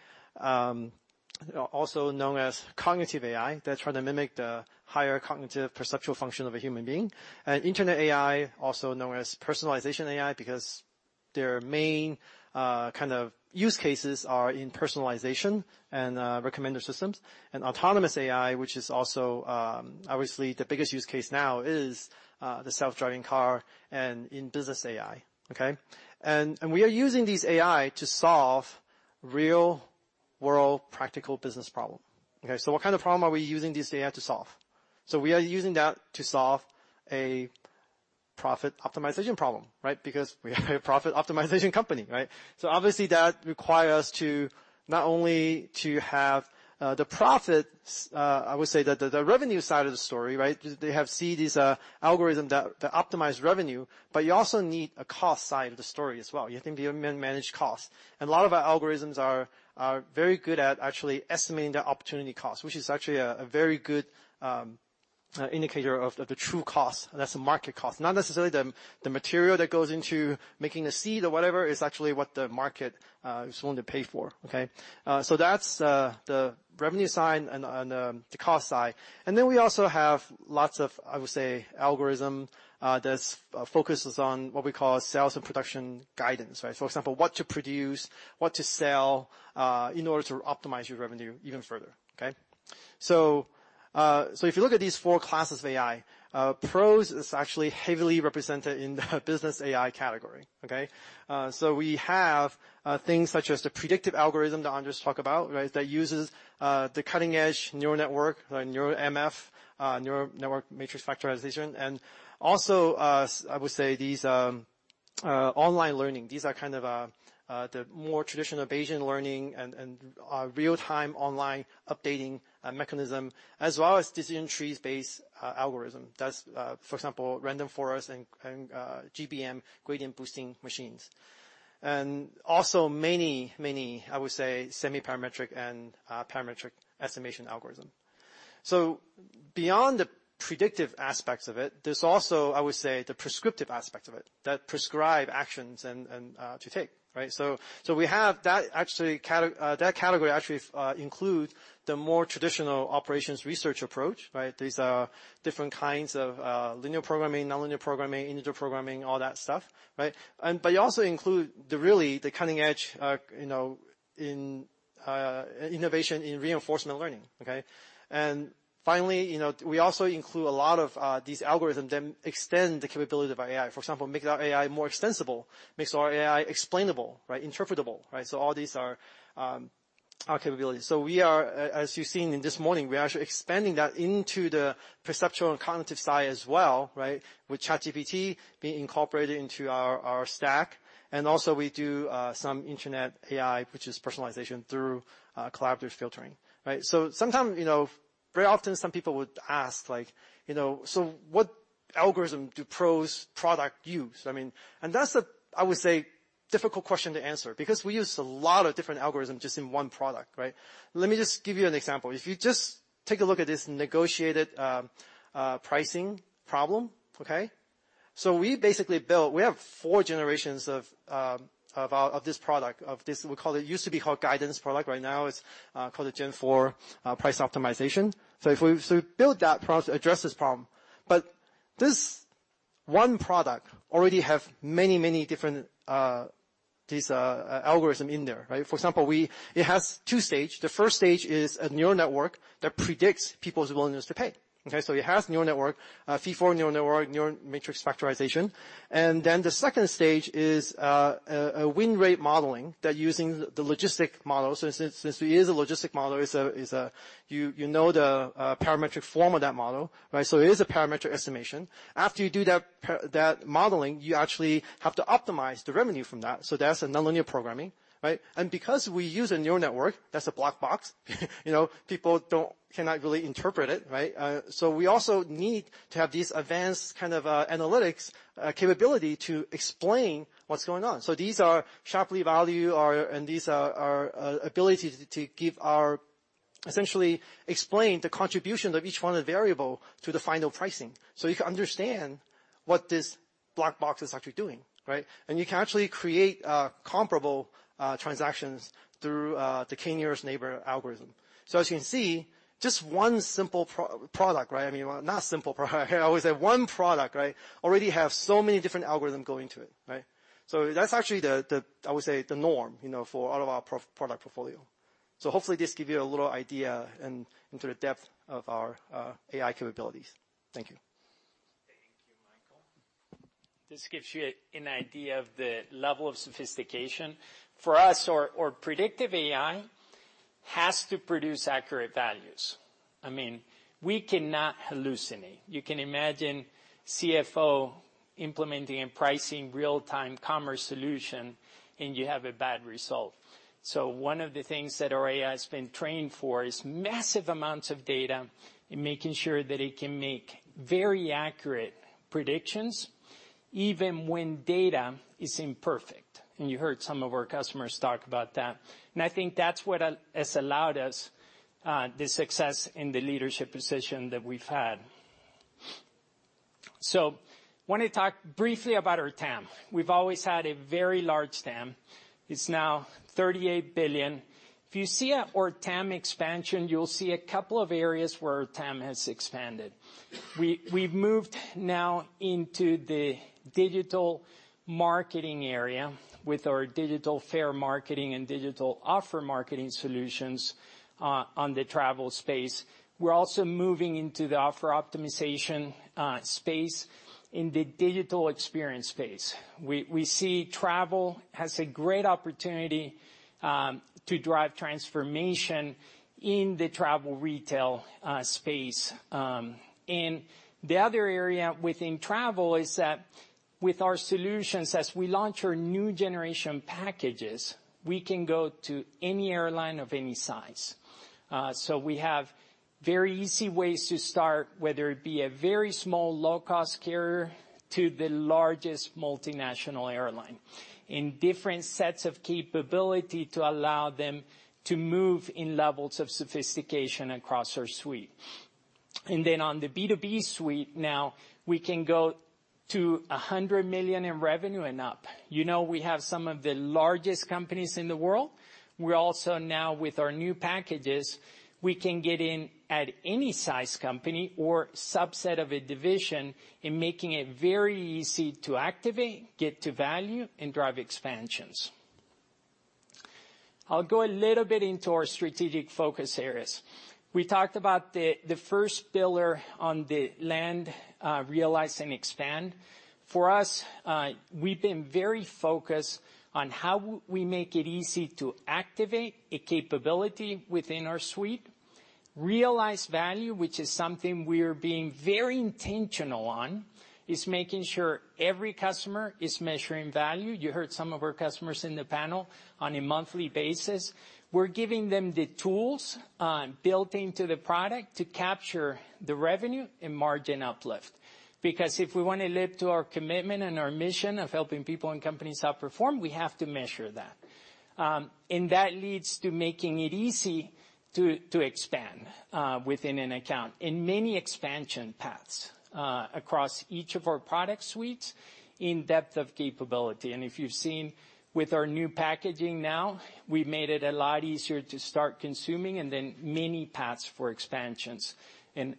also known as cognitive AI. They're trying to mimic the higher cognitive perceptual function of a human being. Internet AI, also known as personalization AI, because their main kind of use cases are in personalization and recommender systems. Autonomous AI, which is also obviously the biggest use case now is the self-driving car and in business AI, okay? We are using these AI to solve real-world practical business problem. Okay. What kind of problem are we using this AI to solve? We are using that to solve a profit optimization problem, right? Because we are a profit optimization company, right? Obviously, that require us to not only to have the profits, I would say the revenue side of the story, right? They have CDs algorithm that optimize revenue, but you also need a cost side of the story as well. You have to be able to manage costs. A lot of our algorithms are very good at actually estimating the opportunity cost, which is actually a very good indicator of the true cost. That's the market cost. Not necessarily the material that goes into making a seed or whatever, it's actually what the market is willing to pay for. Okay? That's the revenue side and the cost side. We also have lots of, I would say, algorithm that focuses on what we call sales and production guidance, right? For example, what to produce, what to sell, in order to optimize your revenue even further. Okay? If you look at these four classes of AI, PROS is actually heavily represented in the Business AI category. Okay? We have things such as the predictive algorithm that Andres talk about, right? That uses the cutting-edge neural network, NeuMF, neural network matrix factorization. I would say these online learning. These are kind of the more traditional Bayesian learning and real-time online updating mechanism, as well as decision trees-based algorithm. That's, for example, random forests and GBM, gradient boosting machines. Many, many, I would say, semiparametric and parametric estimation algorithm. Beyond the predictive aspects of it, there's also, I would say, the prescriptive aspect of it, that prescribe actions and to take, right? We have that actually that category actually includes the more traditional operations research approach, right? These are different kinds of linear programming, nonlinear programming, integer programming, all that stuff, right. But you also include the really the cutting edge, you know, innovation in reinforcement learning. Okay. Finally, you know, we also include a lot of these algorithm that extend the capability of our AI. For example, make our AI more extensible, makes our AI explainable, right. Interpretable, right. So all these are Our capabilities. So we are, as you've seen in this morning, we are actually expanding that into the perceptual and cognitive side as well, right, with ChatGPT being incorporated into our stack. Also we do some Internet AI, which is personalization through collaborative filtering, right. Sometime, you know, very often some people would ask like, you know, "So what algorithm do PROS product use?" I mean, that's a, I would say, difficult question to answer because we use a lot of different algorithm just in one product, right? Let me just give you an example. If you just take a look at this negotiated pricing problem, okay? We basically built We have four generations of our, of this product, of this, we call it It used to be called Guidance product. Right now it's called the Gen IV Price Optimization. If we We build that product to address this problem. This one product already have many, many different these algorithm in there, right? For example, we It has two stage. The first stage is a neural network that predicts people's Willingness-to-Pay, okay? It has neural network, feed-forward neural network, Neural Network Matrix Factorization. The second stage is a win rate modeling that using the Logistic Model. Since we use a Logistic Model, is a you know the parametric form of that model, right? It is a parametric estimation. After you do that modeling, you actually have to optimize the revenue from that. That's a Nonlinear Programming, right? Because we use a neural network that's a black box, you know, people cannot really interpret it, right? We also need to have these advanced kind of analytics capability to explain what's going on. These are Shapley value or these are ability to give our... Essentially explain the contribution of each one variable to the final pricing, so you can understand what this black box is actually doing, right? You can actually create comparable transactions through the k-nearest neighbor algorithm. As you can see, just one simple pro-product, right? I mean, well not simple product. I would say one product, right, already has so many different algorithms going to it, right? That's actually the, I would say, the norm, you know, for all of our pro-product portfolio. Hopefully this gives you a little idea into the depth of our AI capabilities. Thank you. Thank you, Michael. This gives you an idea of the level of sophistication. For us, our predictive AI has to produce accurate values. I mean, we cannot hallucinate. You can imagine Chief Financial Officer implementing and pricing real-time commerce solution, and you have a bad result. One of the things that our AI has been trained for is massive amounts of data and making sure that it can make very accurate predictions even when data is imperfect. You heard some of our customers talk about that. I think that's what has allowed us the success in the leadership position that we've had. Wanna talk briefly about our TAM. We've always had a very large TAM. It's now $38 billion. If you see our TAM expansion, you'll see a couple of areas where our TAM has expanded. We've moved now into the digital marketing area with our digital fare marketing and Digital Offer Marketing solutions on the travel space. We're also moving into the offer optimization space in the digital experience space. We see travel has a great opportunity to drive transformation in the travel retail space. The other area within travel is that with our solutions, as we launch our new generation packages, we can go to any airline of any size. We have very easy ways to start, whether it be a very small low-cost carrier to the largest multinational airline, and different sets of capability to allow them to move in levels of sophistication across our suite. On the B2B suite now, we can go to $100 million in revenue and up. You know, we have some of the largest companies in the world. We're also now with our new packages, we can get in at any size company or subset of a division in making it very easy to activate, get to value, and drive expansions. I'll go a little bit into our strategic focus areas. We talked about the first pillar on the Land, Realize, and Expand. For us, we've been very focused on how we make it easy to activate a capability within our suite. Realize value, which is something we're being very intentional on, is making sure every customer is measuring value. You heard some of our customers in the panel on a monthly basis. We're giving them the tools built into the product to capture the revenue and margin uplift. Because if we wanna live to our commitment and our mission of helping people and companies outperform, we have to measure that. That leads to making it easy to expand within an account in many expansion paths across each of our product suites in depth of capability. If you've seen with our new packaging now, we've made it a lot easier to start consuming and then many paths for expansions.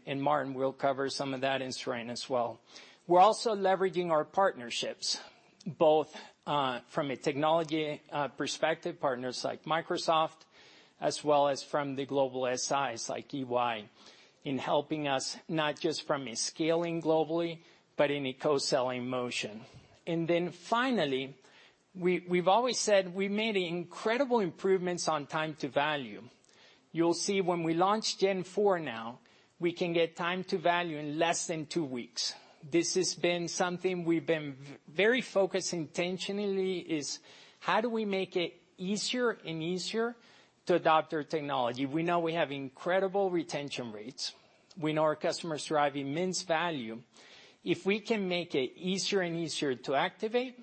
Martin will cover some of that in strain as well. We're also leveraging our partnerships, both from a technology perspective, partners like Microsoft, as well as from the global SIs like EY, in helping us not just from a scaling globally, but in a co-selling motion. Finally, we've always said we made incredible improvements on time to value. You'll see when we launch Gen 4 now, we can get time to value in less than two weeks. This has been something we've been very focused intentionally, is how do we make it easier and easier to adopt our technology? We know we have incredible retention rates. We know our customers drive immense value. If we can make it easier and easier to activate,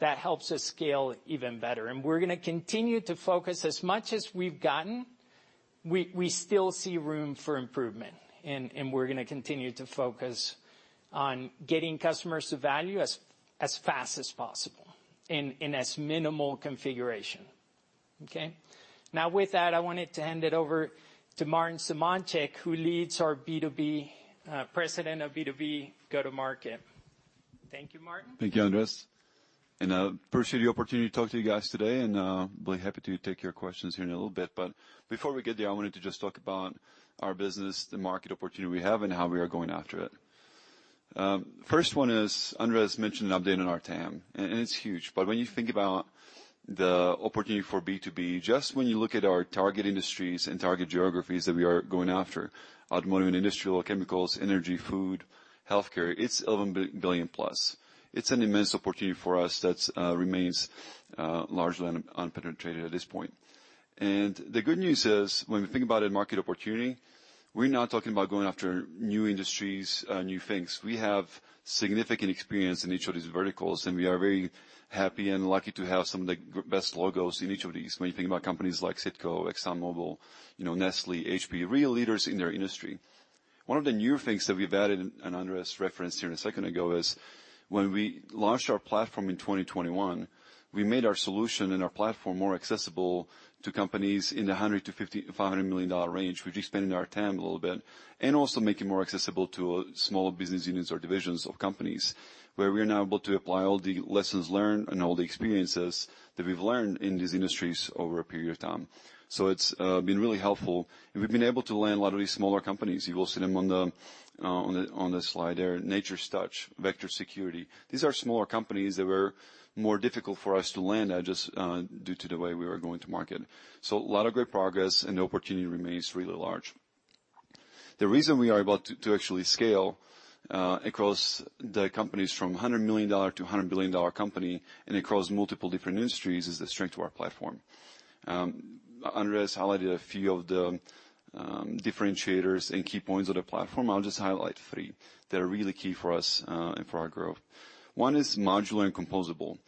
that helps us scale even better. We're gonna continue to focus. As much as we've gotten, we still see room for improvement and we're gonna continue to focus on getting customers to value as fast as possible in as minimal configuration. Okay? With that, I wanted to hand it over to Martin Simoncic, who leads our B2B, President of B2B Go-to-Market. Thank you, Martin. Thank you, Andres. I appreciate the opportunity to talk to you guys today, and I'll be happy to take your questions here in a little bit. Before we get there, I wanted to just talk about our business, the market opportunity we have, and how we are going after it. First one is Andres mentioned an update on our TAM, and it's huge. When you think about the opportunity for B2B, just when you look at our target industries and target geographies that we are going after, automotive and industrial chemicals, energy, food, healthcare, it's $11 billion plus. It's an immense opportunity for us that's remains largely unpenetrated at this point. The good news is, when we think about a market opportunity, we're not talking about going after new industries, new things. We have significant experience in each of these verticals, and we are very happy and lucky to have some of the best logos in each of these. When you think about companies like CITGO, ExxonMobil, you know, Nestlé, HP, real leaders in their industry. One of the new things that we've added, Andres referenced here a second ago, is when we launched our platform in 2021, we made our solution and our platform more accessible to companies in the $150 million-$500 million range. We've expanded our TAM a little bit and also make it more accessible to small business units or divisions of companies, where we're now able to apply all the lessons learned and all the experiences that we've learned in these industries over a period of time. It's been really helpful, and we've been able to land a lot of these smaller companies. You will see them on the slide there, Nature's Touch, Vector Security. These are smaller companies that were more difficult for us to land just due to the way we were going to market. A lot of great progress and the opportunity remains really large. The reason we are about to actually scale across the companies from $100 million- $100 billion company and across multiple different industries is the strength of our platform. Andres highlighted a few of the differentiators and key points of the platform. I'll just highlight three that are really key for us and for our growth. One is modular and composable.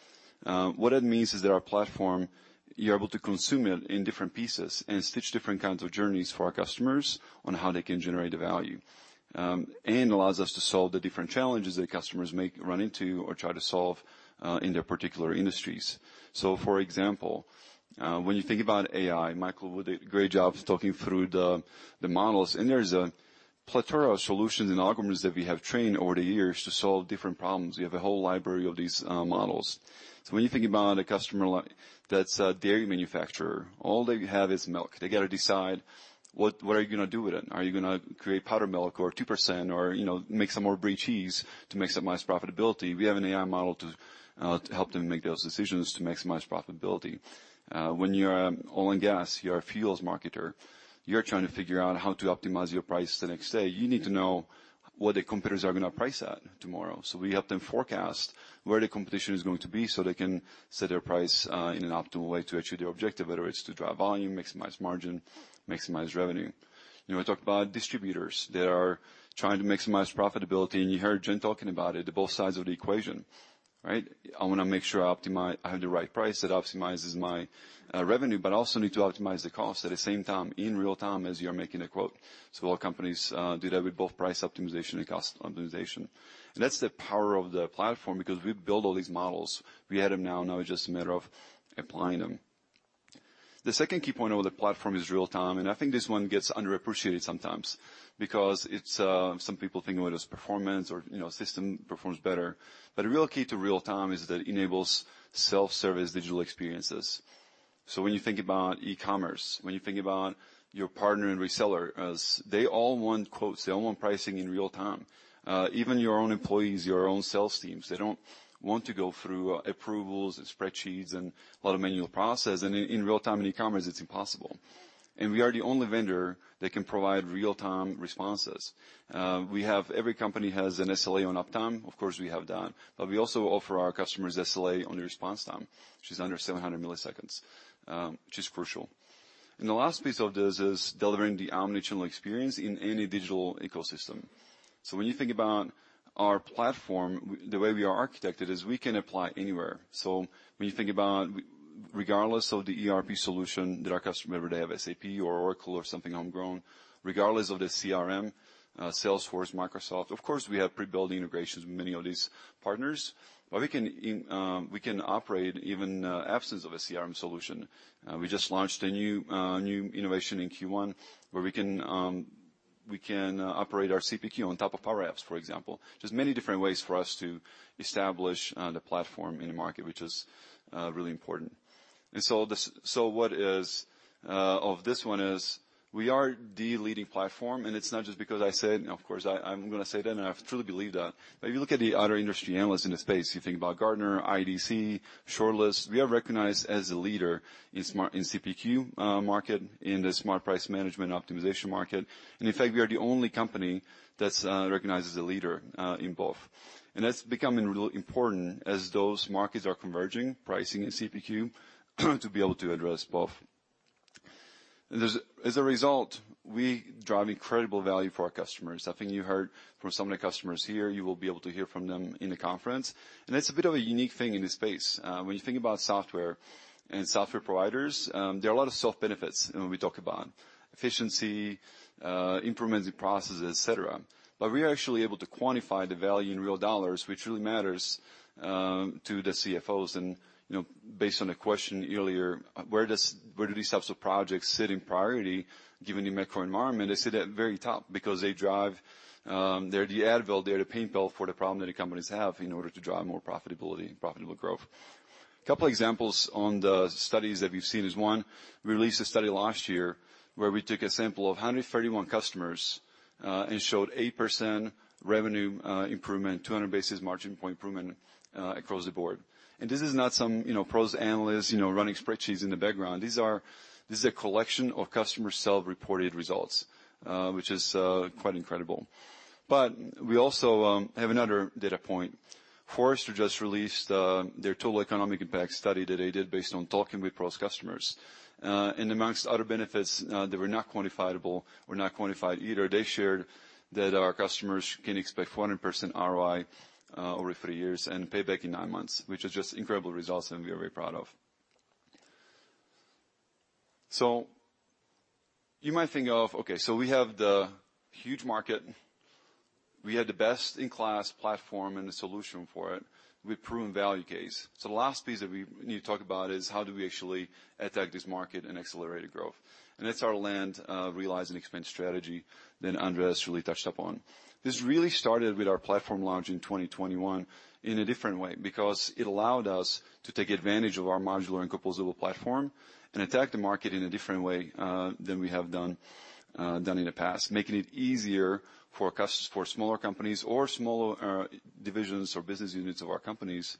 What that means is that our platform, you're able to consume it in different pieces and stitch different kinds of journeys for our customers on how they can generate the value, and allows us to solve the different challenges that customers may run into or try to solve in their particular industries. For example, when you think about AI, Michael did a great job talking through the models, and there's a plethora of solutions and algorithms that we have trained over the years to solve different problems. We have a whole library of these models. When you think about a customer that's a dairy manufacturer, all they have is milk. They gotta decide what are you gonna do with it? Are you gonna create powder milk or 2% or, you know, make some more brie cheese to maximize profitability? We have an AI model to help them make those decisions to maximize profitability. When you're oil and gas, you're a fuels marketer, you're trying to figure out how to optimize your price the next day. You need to know what the competitors are gonna price at tomorrow. We help them forecast where the competition is going to be, so they can set their price in an optimal way to achieve their objective, whether it's to drive volume, maximize margin, maximize revenue. You know, I talked about distributors. They are trying to maximize profitability, you heard Jen talking about it, the both sides of the equation, right? I wanna make sure I have the right price that optimizes my revenue, I also need to optimize the cost at the same time, in real time, as you are making a quote. A lot of companies do that with both price optimization and cost optimization. That's the power of the platform because we've built all these models. We have them now. Now it's just a matter of applying them. The second key point of the platform is real-time, and I think this one gets underappreciated sometimes because it's some people think of it as performance or, you know, system performs better. The real key to real-time is that it enables self-service digital experiences. When you think about E-commerce, when you think about your partner and reseller, as they all want quotes, they all want pricing in real time. Even your own employees, your own sales teams, they don't want to go through approvals and spreadsheets and a lot of manual process. In real time in E-commerce, it's impossible. We are the only vendor that can provide real-time responses. Every company has an SLA on uptime. Of course, we have that. We also offer our customers SLA on the response time, which is under 700 milliseconds, which is crucial. The last piece of this is delivering the omnichannel experience in any digital ecosystem. When you think about our platform, the way we are architected is we can apply anywhere. When you think about Regardless of the ERP solution that our customer, whether they have SAP or Oracle or something homegrown, regardless of the CRM, Salesforce, Microsoft, of course, we have pre-built integrations with many of these partners. We can operate even in absence of a CRM solution. We just launched a new innovation in Q1 where we can operate our CPQ on top of Power Apps, for example. There's many different ways for us to establish the platform in the market, which is really important. We are the leading platform, and it's not just because I said, of course I'm gonna say that, and I truly believe that. If you look at the other industry analysts in the space, you think about Gartner, IDC, The Shortlist, we are recognized as the leader in Smart CPQ market, in the smart price management optimization market. In fact, we are the only company that's recognized as a leader in both. That's becoming really important as those markets are converging, pricing and CPQ, to be able to address both. As a result, we drive incredible value for our customers. I think you heard from some of the customers here, you will be able to hear from them in the conference. That's a bit of a unique thing in this space. When you think about software and software providers, there are a lot of soft benefits, you know, we talk about efficiency, implementing processes, et cetera. We are actually able to quantify the value in real dollars, which really matters, to the Chief Financial Officer's. You know, based on a question earlier, where do these types of projects sit in priority given the macro environment? They sit at very top because they drive... They're the Advil, they're the pain pill for the problem that the companies have in order to drive more profitability and profitable growth. Couple examples on the studies that we've seen is, one, we released a study last year where we took a sample of 131 customers and showed 8% revenue improvement, 200 basis margin point improvement across the board. This is not some, you know, PROS analyst, you know, running spreadsheets in the background. This is a collection of customer self-reported results, which is quite incredible. We also have another data point. Forrester just released their Total Economic Impact study that they did based on talking with PROS customers. Amongst other benefits that were not quantifiable or not quantified either, they shared that our customers can expect 100% ROI over 3 years and payback in 9 months, which is just incredible results and we are very proud of. You might think of, okay, so we have the huge market. We have the best-in-class platform and the solution for it with proven value case. The last piece that we need to talk about is how do we actually attack this market and accelerate the growth. That's our Land, Realize, and Expand strategy that Andres really touched upon. This really started with our platform launch in 2021 in a different way because it allowed us to take advantage of our modular and composable platform and attack the market in a different way than we have done in the past, making it easier for smaller companies or smaller divisions or business units of our companies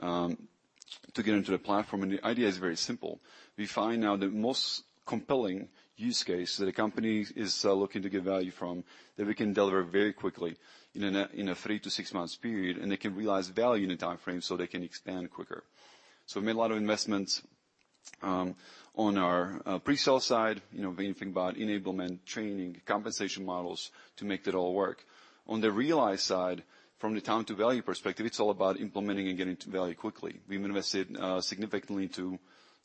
to get into the platform. The idea is very simple. We find now the most compelling use case that a company is looking to get value from that we can deliver very quickly in a 3-6 months period, and they can realize value in the time frame. They can expand quicker. We made a lot of investments on our pre-sale side. You know, when you think about enablement, training, compensation models to make that all work. On the Realize side, from the time to value perspective, it's all about implementing and getting to value quickly. We've invested significantly into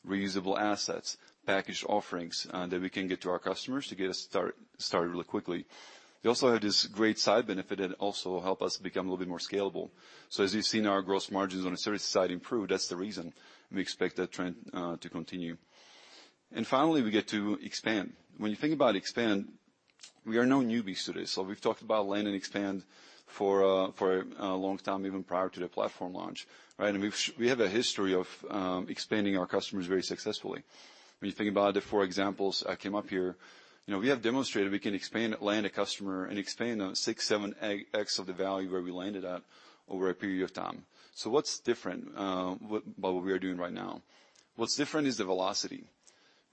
reusable assets, package offerings, that we can get to our customers to get us started really quickly. We also have this great side benefit that also help us become a little bit more scalable. As you've seen our gross margins on the service side improve, that's the reason we expect that trend to continue. Finally, we get to Expand. When you think about Expand, we are no newbies to this. We've talked about Land and Expand for a long time, even prior to the platform launch, right? We have a history of expanding our customers very successfully. When you think about the four examples I came up here, you know, we have demonstrated we can land a customer and expand 6, 7x of the value where we landed at over a period of time. What's different, what we are doing right now? What's different is the velocity.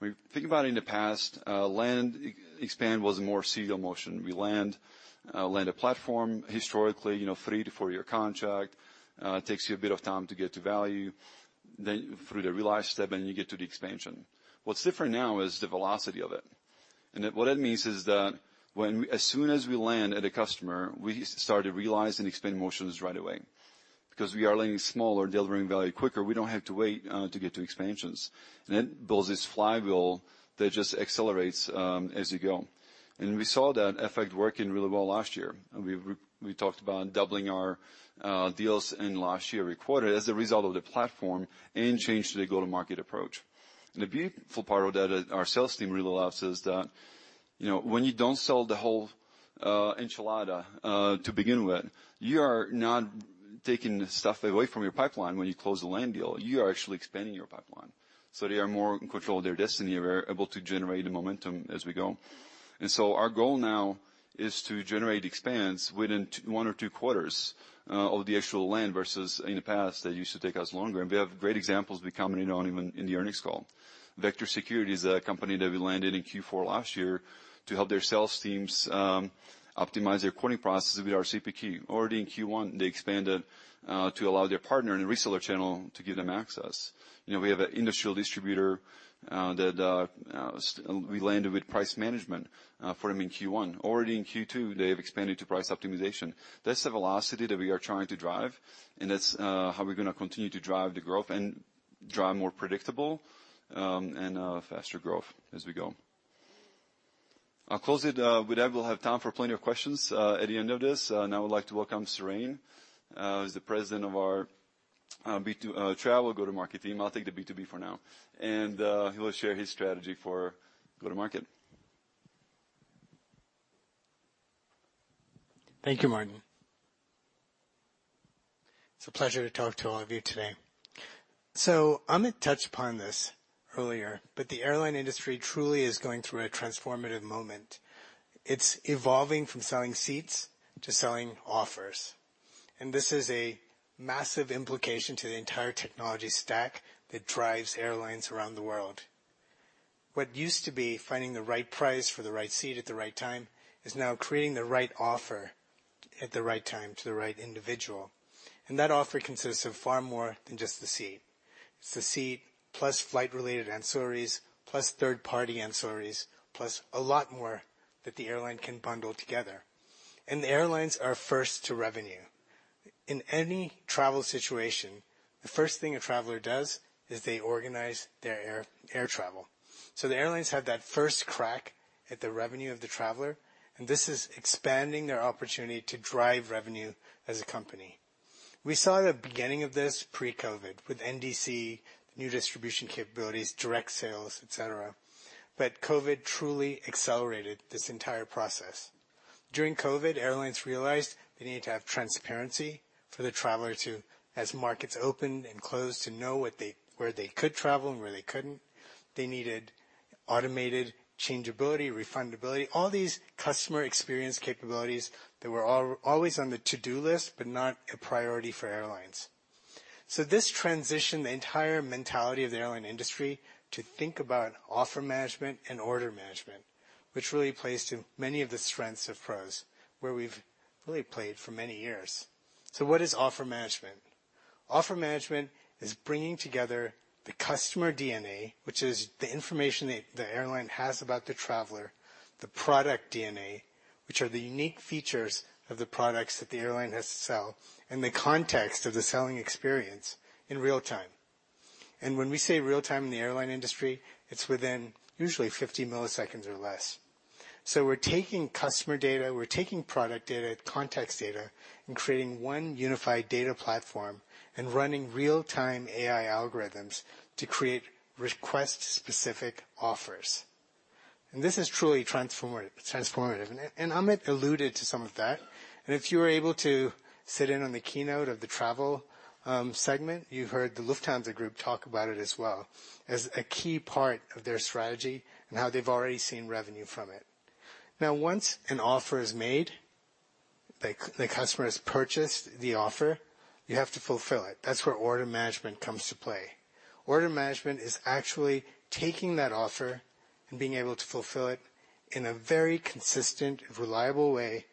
When you think about it in the past, land expand was a more serial motion. We land a platform historically, you know, 3-4 year contract. It takes you a bit of time to get to value then through the realize step, and you get to the expansion. What's different now is the velocity of it. What that means is that when as soon as we land at a customer, we start to realize and expand motions right away. Because we are landing smaller, delivering value quicker, we don't have to wait to get to expansions. That builds this flywheel that just accelerates as you go. We saw that effect working really well last year. We talked about doubling our deals in last year every quarter as a result of the platform and change to the go-to-market approach. The beautiful part of that that our sales team really loves is that, you know, when you don't sell the whole enchilada to begin with, you are not taking stuff away from your pipeline when you close the land deal. You are actually expanding your pipeline. They are more in control of their destiny. They're able to generate the momentum as we go. Our goal now is to generate expands within 1 or 2 quarters of the actual land versus in the past, that used to take us longer. We have great examples we can comment on even in the earnings call. Vector Security is a company that we landed in Q4 last year to help their sales teams optimize their quoting processes with our CPQ. Already in Q1, they expanded to allow their partner and reseller channel to give them access. You know, we have an industrial distributor that we landed with price management for them in Q1. Already in Q2, they have expanded to price optimization. That's the velocity that we are trying to drive, and that's how we're gonna continue to drive the growth and drive more predictable and faster growth as we go. I'll close it with that. We'll have time for plenty of questions at the end of this. Now I'd like to welcome Serene, who's the President of our travel Go-to-Market team. I'll take the B2B for now. He will share his strategy for Go-to-Market. Thank you, Martin. It's a pleasure to talk to all of you today. Amit touched upon this earlier, but the airline industry truly is going through a transformative moment. It's evolving from selling seats to selling offers. This is a massive implication to the entire technology stack that drives airlines around the world. What used to be finding the right price for the right seat at the right time is now creating the right offer at the right time to the right individual, and that offer consists of far more than just the seat. It's the seat, plus flight-related ancillaries, plus third-party ancillaries, plus a lot more that the airline can bundle together. The airlines are first to revenue. In any travel situation, the first thing a traveler does is they organize their air travel. The airlines have that first crack at the revenue of the traveler, and this is expanding their opportunity to drive revenue as a company. We saw the beginning of this pre-COVID, with NDC, new distribution capabilities, direct sales, et cetera. COVID truly accelerated this entire process. During COVID, airlines realized they need to have transparency for the traveler to, as markets opened and closed, to know where they could travel and where they couldn't. They needed automated changeability, refundability, all these customer experience capabilities that were always on the to-do list, but not a priority for airlines. This transitioned the entire mentality of the airline industry to think about Offer Management and Order Management, which really plays to many of the strengths of PROS, where we've really played for many years. What is Offer Management? Offer management is bringing together the customer DNA, which is the information that the airline has about the traveler, the product DNA, which are the unique features of the products that the airline has to sell, and the context of the selling experience in real time. When we say real time in the airline industry, it's within usually 50 milliseconds or less. We're taking customer data, we're taking product data, context data, and creating one unified data platform and running real-time AI algorithms to create request-specific offers. This is truly transformative. Amit alluded to some of that. If you were able to sit in on the keynote of the travel segment, you heard the Lufthansa Group talk about it as well as a key part of their strategy and how they've already seen revenue from it. Once an offer is made, the customer has purchased the offer, you have to fulfill it. That's where Order Management comes to play. Order Management is actually taking that offer and being able to fulfill it in a very consistent and reliable way,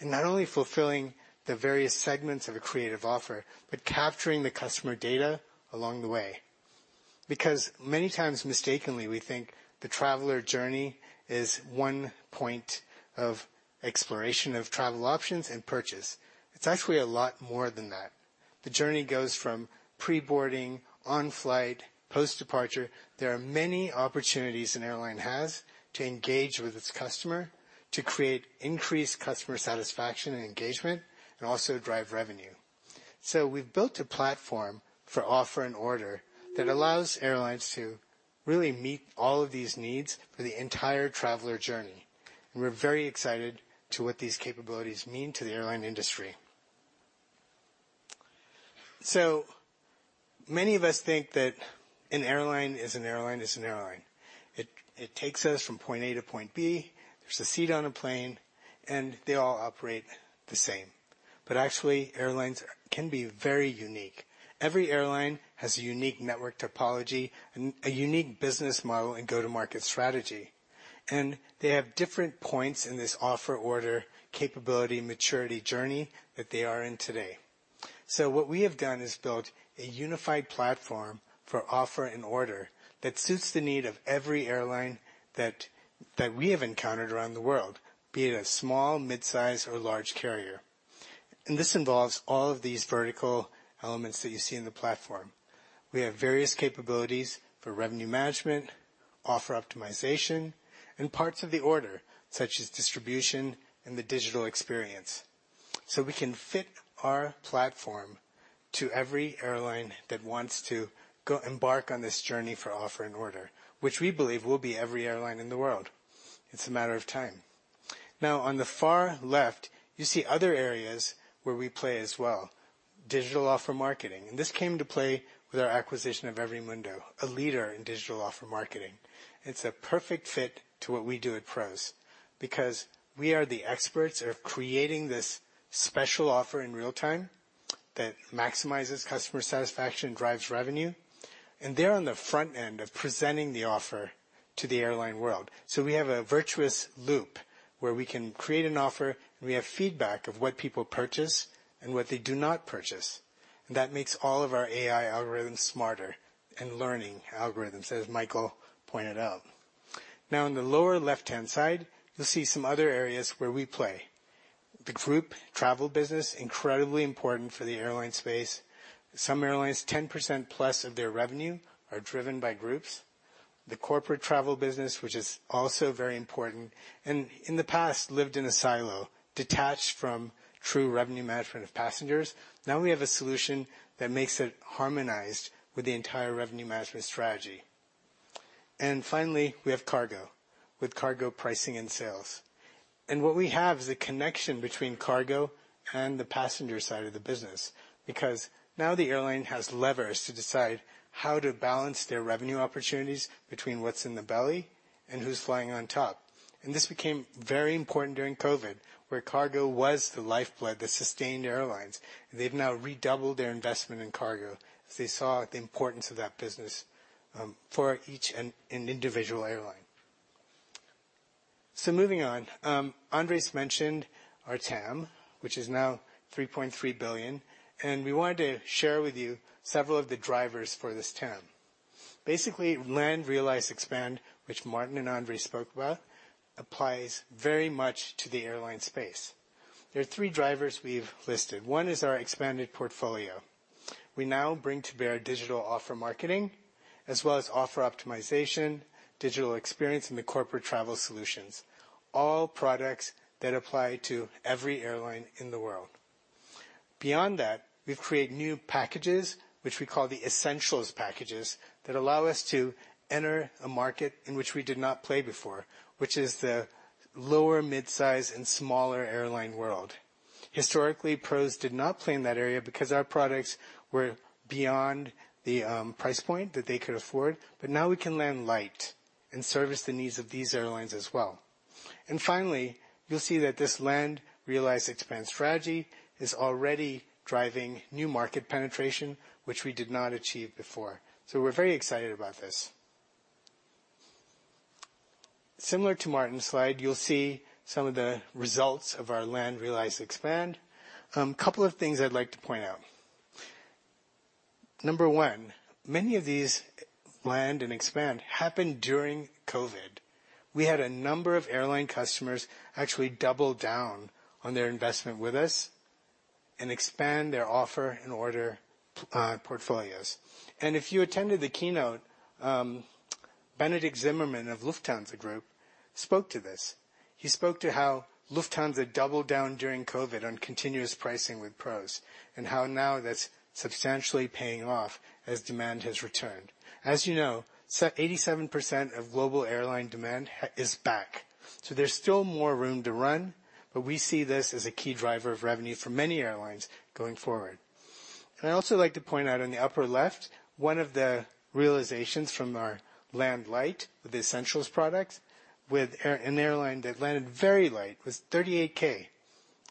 and not only fulfilling the various segments of a creative offer, but capturing the customer data along the way. Many times, mistakenly, we think the traveler journey is one point of exploration of travel options and purchase. It's actually a lot more than that. The journey goes from pre-boarding, on flight, post-departure. There are many opportunities an airline has to engage with its customer to create increased customer satisfaction and engagement and also drive revenue. We've built a platform for offer and order that allows airlines to really meet all of these needs for the entire traveler journey, and we're very excited to what these capabilities mean to the airline industry. Many of us think that an airline is an airline is an airline. It takes us from point A to point B. There's a seat on a plane, and they all operate the same. Actually, airlines can be very unique. Every airline has a unique network topology and a unique business model and go-to-market strategy. They have different points in this offer order capability maturity journey that they are in today. What we have done is built a unified platform for offer and order that suits the need of every airline that we have encountered around the world, be it a small, mid-size, or large carrier. This involves all of these vertical elements that you see in the platform. We have various capabilities for revenue management, offer optimization, and parts of the order, such as distribution and the digital experience. We can fit our platform to every airline that wants to embark on this journey for offer and order, which we believe will be every airline in the world. It's a matter of time. Now, on the far left, you see other areas where we play as well, digital offer marketing, and this came to play with our acquisition of EveryMundo, a leader in digital offer marketing. It's a perfect fit to what we do at PROS because we are the experts of creating this special offer in real time that maximizes customer satisfaction, drives revenue, and they're on the front end of presenting the offer to the airline world. We have a virtuous loop where we can create an offer, and we have feedback of what people purchase and what they do not purchase. That makes all of our AI algorithms smarter and learning algorithms, as Michael pointed out. In the lower left-hand side, you'll see some other areas where we play. The group travel business, incredibly important for the airline space. Some airlines, 10% plus of their revenue are driven by groups. The corporate travel business, which is also very important, and in the past lived in a silo detached from true revenue management of passengers. We have a solution that makes it harmonized with the entire revenue management strategy. Finally, we have cargo, with cargo pricing and sales. What we have is a connection between cargo and the passenger side of the business, because now the airline has levers to decide how to balance their revenue opportunities between what's in the belly and who's flying on top. This became very important during COVID, where cargo was the lifeblood that sustained airlines. They've now redoubled their investment in cargo as they saw the importance of that business for each and individual airline. Moving on, Andres mentioned our TAM, which is now $3.3 billion. We wanted to share with you several of the drivers for this TAM. Basically, Land, Realize, and Expand, which Martin and Andres spoke about, applies very much to the airline space. There are three drivers we've listed. One is our expanded portfolio. We now bring to bear Digital Offer Marketing as well as offer optimization, digital experience, and the corporate travel solutions, all products that apply to every airline in the world. We've created new packages, which we call the essentials packages, that allow us to enter a market in which we did not play before, which is the lower midsize and smaller airline world. Historically, PROS did not play in that area because our products were beyond the price point that they could afford. Now we can land light and service the needs of these airlines as well. Finally, you'll see that this Land, Realize, Expand strategy is already driving new market penetration, which we did not achieve before. We're very excited about this. Similar to Martin's slide, you'll see some of the results of our Land, Realize, Expand. Couple of things I'd like to point out. Number one, many of these land and expand happened during COVID. We had a number of airline customers actually double down on their investment with us and expand their offer and order portfolios. If you attended the keynote, Benedikt Zimmermann of Lufthansa Group spoke to this. He spoke to how Lufthansa doubled down during COVID on continuous pricing with PROS and how now that's substantially paying off as demand has returned. As you know, 87% of global airline demand is back. There's still more room to run, but we see this as a key driver of revenue for many airlines going forward. I'd also like to point out on the upper left, one of the realizations from our land light with the essentials products, an airline that landed very light with $38K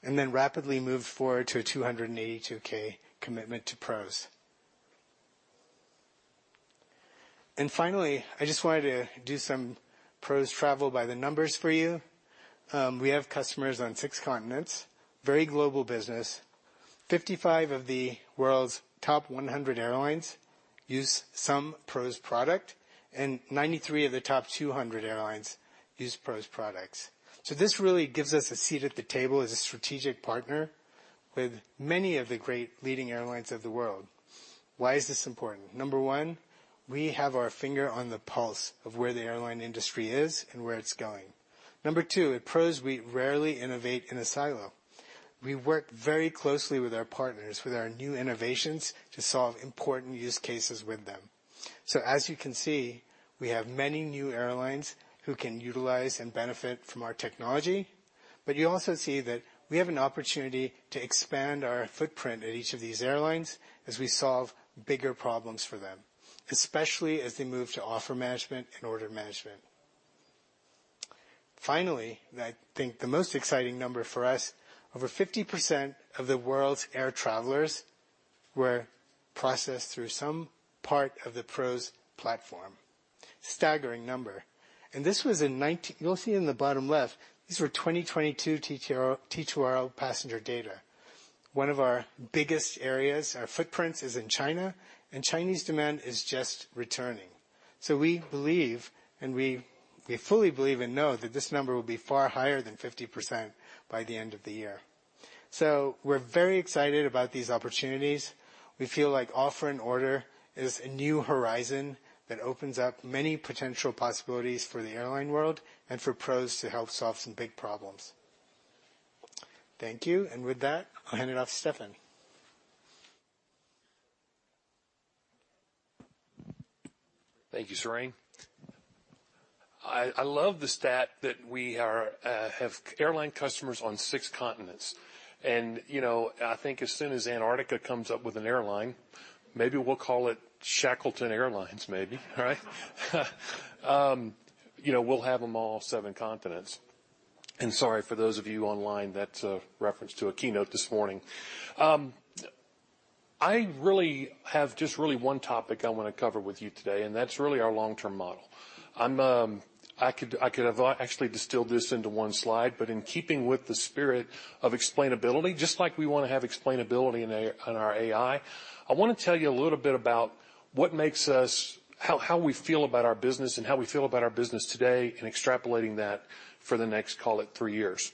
and then rapidly moved forward to a $282K commitment to PROS. Finally, I just wanted to do some PROS travel by the numbers for you. We have customers on six continents, very global business. 55 of the world's top 100 airlines use some PROS product, and 93 of the top 200 airlines use PROS products. This really gives us a seat at the table as a strategic partner with many of the great leading airlines of the world. Why is this important? Number one, we have our finger on the pulse of where the airline industry is and where it's going. Number 2, at PROS, we rarely innovate in a silo. We work very closely with our partners, with our new innovations to solve important use cases with them. As you can see, we have many new airlines who can utilize and benefit from our technology. But you also see that we have an opportunity to expand our footprint at each of these airlines as we solve bigger problems for them, especially as they move to Offer Management and Order Management. I think the most exciting number for us, over 50% of the world's air travelers were processed through some part of the PROS platform. Staggering number. You'll see in the bottom left, these were 2022 T2RL passenger data. One of our biggest areas, our footprints, is in China, and Chinese demand is just returning. We believe, and we fully believe and know that this number will be far higher than 50% by the end of the year. We're very excited about these opportunities. We feel like offer and order is a new horizon that opens up many potential possibilities for the airline world and for PROS to help solve some big problems. Thank you. With that, I'll hand it off to Stefan. Thank you, Surain. I love the stat that we have airline customers on six continents. You know, I think as soon as Antarctica comes up with an airline, maybe we'll call it Shackleton Airlines maybe, right? You know, we'll have them all seven continents. Sorry for those of you online, that's a reference to a keynote this morning. I really have just really one topic I wanna cover with you today, and that's really our long-term model. I could have actually distilled this into one slide, but in keeping with the spirit of explainability, just like we wanna have explainability on our AI, I wanna tell you a little bit about what makes us how we feel about our business and how we feel about our business today and extrapolating that for the next, call it, three years.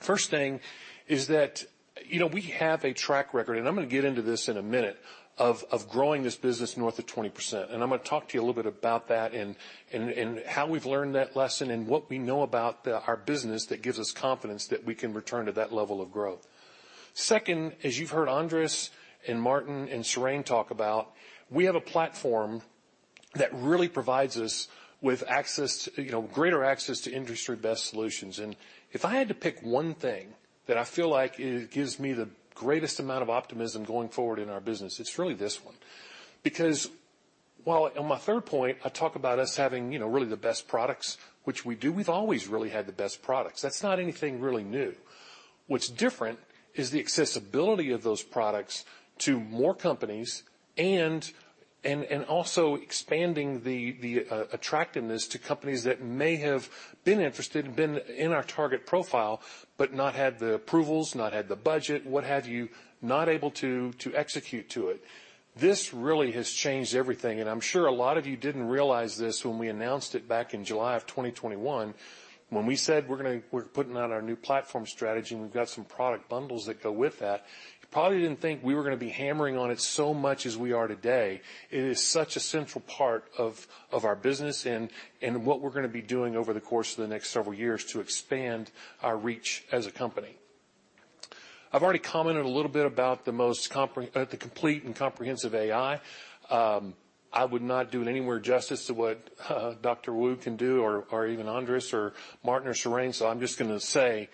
First thing is that, you know, we have a track record, and I'm gonna get into this in a minute, of growing this business north of 20%. I'm gonna talk to you a little bit about that and how we've learned that lesson and what we know about our business that gives us confidence that we can return to that level of growth. Second, as you've heard Andres and Martin and Serene talk about, we have a platform that really provides us with access, you know, greater access to industry best solutions. If I had to pick one thing that I feel like it gives me the greatest amount of optimism going forward in our business, it's really this one. While on my third point, I talk about us having, you know, really the best products, which we do. We've always really had the best products. That's not anything really new. What's different is the accessibility of those products to more companies and also expanding the attractiveness to companies that may have been interested and been in our target profile, but not had the approvals, not had the budget, what have you, not able to execute to it. This really has changed everything. I'm sure a lot of you didn't realize this when we announced it back in July of 2021, when we said we're putting out our new platform strategy, and we've got some product bundles that go with that, you probably didn't think we were gonna be hammering on it so much as we are today. It is such a central part of our business and what we're gonna be doing over the course of the next several years to expand our reach as a company. I've already commented a little bit about the most complete and comprehensive AI. I would not do it anywhere justice to what Dr. Wu can do or even Andres or Martin or Serene, so I'm just gonna say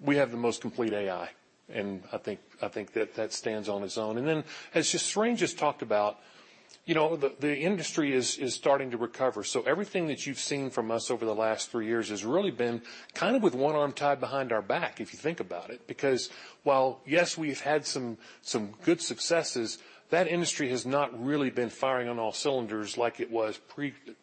we have the most complete AI, and I think that that stands on its own. Then as Serene just talked about, you know, the industry is starting to recover. Everything that you've seen from us over the last three years has really been kind of with one arm tied behind our back, if you think about it. Because while, yes, we've had some good successes, that industry has not really been firing on all cylinders like it was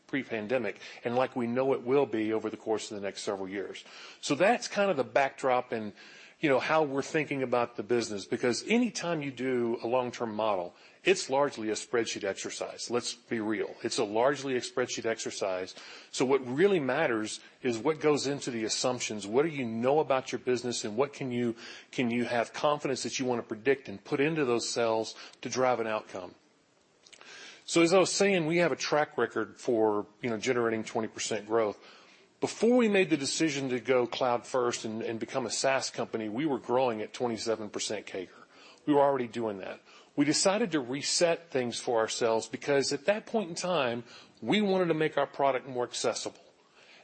pre-pandemic, and like we know it will be over the course of the next several years. That's kind of the backdrop and, you know, how we're thinking about the business, because anytime you do a long-term model, it's largely a spreadsheet exercise. Let's be real. It's a largely a spreadsheet exercise. What really matters is what goes into the assumptions. What do you know about your business and what can you have confidence that you wanna predict and put into those cells to drive an outcome? As I was saying, we have a track record for, you know, generating 20% growth. Before we made the decision to go cloud first and become a SaaS company, we were growing at 27% CAGR. We were already doing that. We decided to reset things for ourselves because at that point in time, we wanted to make our product more accessible.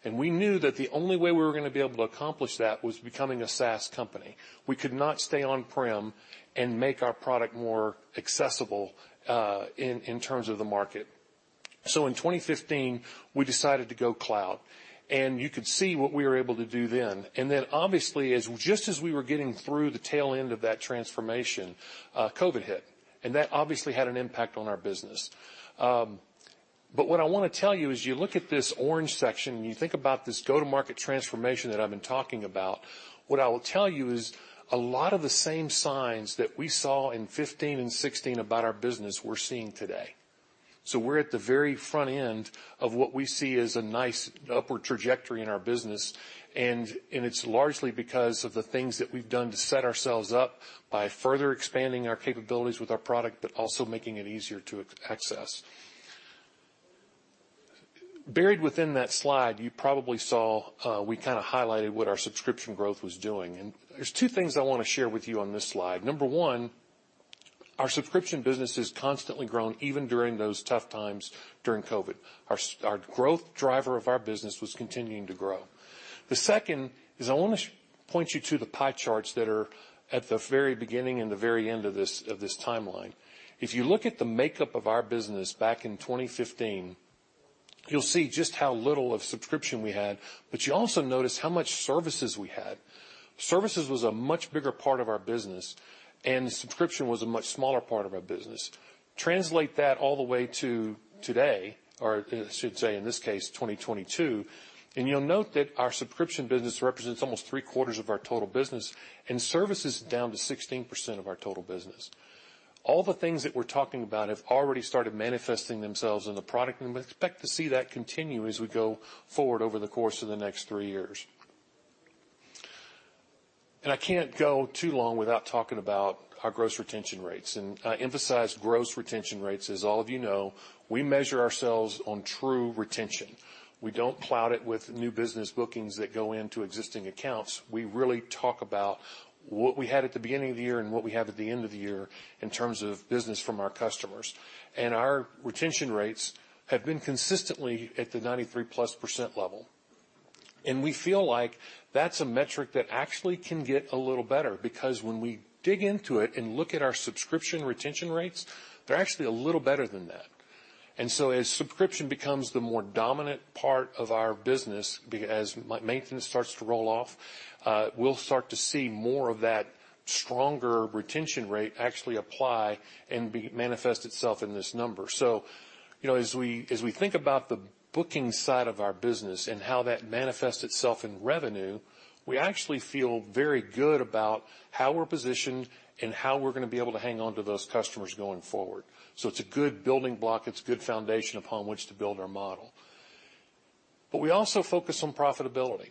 We knew that the only way we were gonna be able to accomplish that was becoming a SaaS company. We could not stay on-prem and make our product more accessible, in terms of the market. In 2015, we decided to go cloud, and you could see what we were able to do then. Obviously, as just as we were getting through the tail end of that transformation, COVID hit, and that obviously had an impact on our business. What I wanna tell you is you look at this orange section, and you think about this go-to-market transformation that I've been talking about, what I will tell you is a lot of the same signs that we saw in 2015 and 2016 about our business we're seeing today. We're at the very front end of what we see as a nice upward trajectory in our business, and it's largely because of the things that we've done to set ourselves up by further expanding our capabilities with our product, but also making it easier to access. Buried within that slide, you probably saw we kinda highlighted what our subscription growth was doing. There are 2 things I wanna share with you on this slide. Number one, our subscription business has constantly grown, even during those tough times during COVID. Our growth driver of our business was continuing to grow. The second is I wanna point you to the pie charts that are at the very beginning and the very end of this, of this timeline. If you look at the makeup of our business back in 2015, you'll see just how little of subscription we had, but you also notice how much services we had. Services was a much bigger part of our business, and subscription was a much smaller part of our business. Translate that all the way to today, or I should say in this case, 2022, and you'll note that our subscription business represents almost 3/4 of our total business and services down to 16% of our total business. All the things that we're talking about have already started manifesting themselves in the product, and we expect to see that continue as we go forward over the course of the next 3 years. I can't go too long without talking about our gross retention rates. I emphasize gross retention rates. As all of you know, we measure ourselves on true retention. We don't cloud it with new business bookings that go into existing accounts. We really talk about what we had at the beginning of the year and what we have at the end of the year in terms of business from our customers. Our retention rates have been consistently at the 93+% level. We feel like that's a metric that actually can get a little better because when we dig into it and look at our subscription retention rates, they're actually a little better than that. As subscription becomes the more dominant part of our business, as maintenance starts to roll off, we'll start to see more of that stronger retention rate actually apply and manifest itself in this number. You know, as we think about the booking side of our business and how that manifests itself in revenue, we actually feel very good about how we're positioned and how we're gonna be able to hang on to those customers going forward. It's a good building block. It's good foundation upon which to build our model. We also focus on profitability.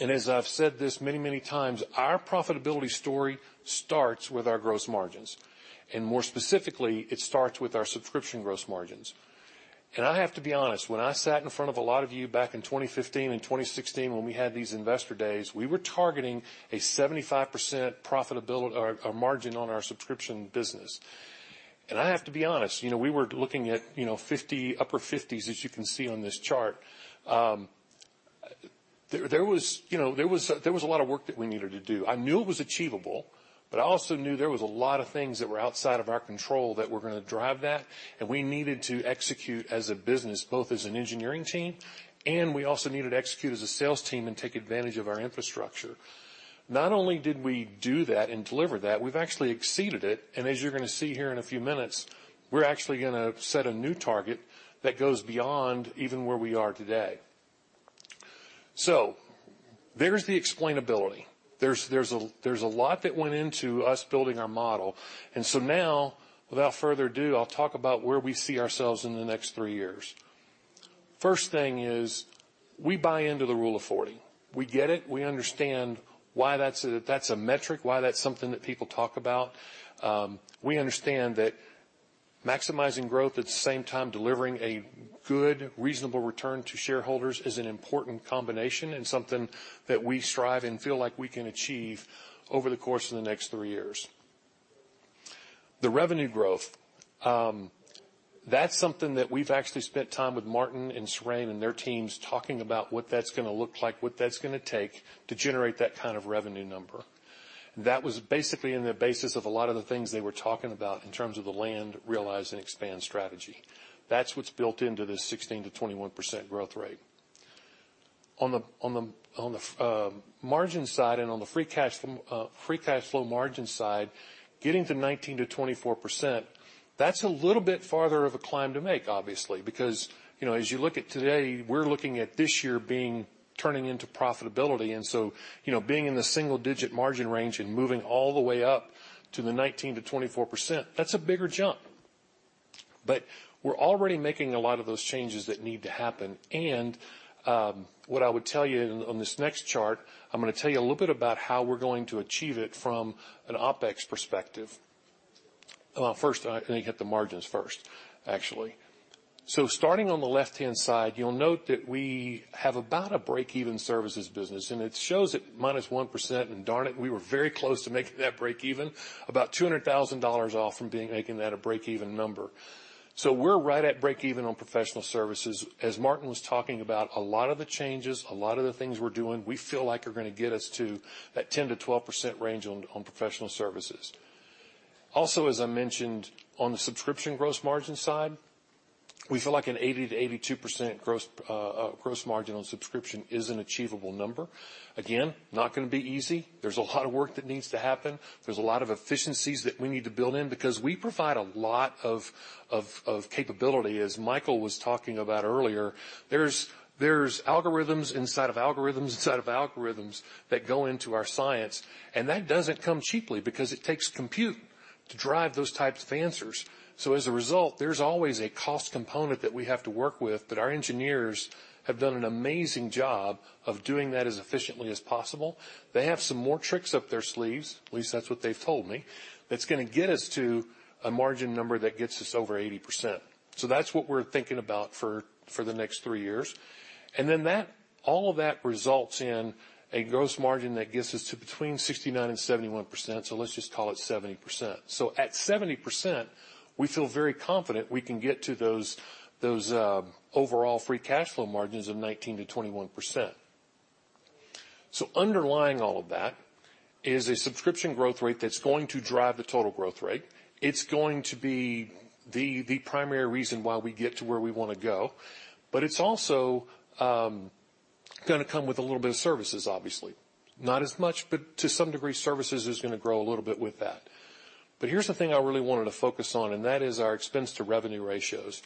As I've said this many, many times, our profitability story starts with our gross margins, and more specifically, it starts with our subscription gross margins. I have to be honest, when I sat in front of a lot of you back in 2015 and 2016 when we had these investor days, we were targeting a 75% margin on our subscription business. I have to be honest, you know, we were looking at, you know, 50, upper 50s, as you can see on this chart. There was, you know, a lot of work that we needed to do. I knew it was achievable, but I also knew there was a lot of things that were outside of our control that were going to drive that, and we needed to execute as a business, both as an engineering team, and we also needed to execute as a sales team and take advantage of our infrastructure. Not only did we do that and deliver that, we've actually exceeded it, and as you're going to see here in a few minutes, we're actually going to set a new target that goes beyond even where we are today. There's the explainability. There's a lot that went into us building our model. Now, without further ado, I'll talk about where we see ourselves in the next three years. First thing is we buy into the Rule of 40. We get it. We understand why that's a metric, why that's something that people talk about. We understand that maximizing growth at the same time delivering a good, reasonable return to shareholders is an important combination and something that we strive and feel like we can achieve over the course of the next three years. The revenue growth, that's something that we've actually spent time with Martin and Surain and their teams talking about what that's gonna look like, what that's gonna take to generate that kind of revenue number. That was basically in the basis of a lot of the things they were talking about in terms of the Land, Realize, and Expand strategy. That's what's built into this 16%-21% growth rate. On the margin side and on the free cash flow margin side, getting to 19%-24%, that's a little bit farther of a climb to make, obviously. Because, you know, as you look at today, we're looking at this year turning into profitability. You know, being in the single-digit margin range and moving all the way up to the 19%-24%, that's a bigger jump. We're already making a lot of those changes that need to happen. What I would tell you on this next chart, I'm gonna tell you a little bit about how we're going to achieve it from an OpEx perspective. First, I think hit the margins first, actually. Starting on the left-hand side, you'll note that we have about a break-even services business, and it shows at -1%. Darn it, we were very close to making that break even, about $200,000 off from making that a break-even number. We're right at break even on professional services. As Martin was talking about, a lot of the changes, a lot of the things we're doing, we feel like are gonna get us to that 10%-12% range on professional services. As I mentioned, on the subscription gross margin side, we feel like an 80%-82% gross margin on subscription is an achievable number. Again, not gonna be easy. There's a lot of work that needs to happen. There's a lot of efficiencies that we need to build in because we provide a lot of capability, as Michael was talking about earlier. There's algorithms inside of algorithms inside of algorithms that go into our science, and that doesn't come cheaply because it takes compute to drive those types of answers. As a result, there's always a cost component that we have to work with, but our engineers have done an amazing job of doing that as efficiently as possible. They have some more tricks up their sleeves, at least that's what they've told me, that's gonna get us to a margin number that gets us over 80%. That's what we're thinking about for the next 3 years. All of that results in a gross margin that gets us to between 69% and 71%. Let's just call it 70%. At 70%, we feel very confident we can get to those overall free cash flow margins of 19%-21%. Underlying all of that is a subscription growth rate that's gonna drive the total growth rate. It's gonna be the primary reason why we get to where we wanna go. It's also gonna come with a little bit of services, obviously. Not as much, but to some degree, services is gonna grow a little bit with that. Here's the thing I really wanted to focus on, and that is our expense to revenue ratios.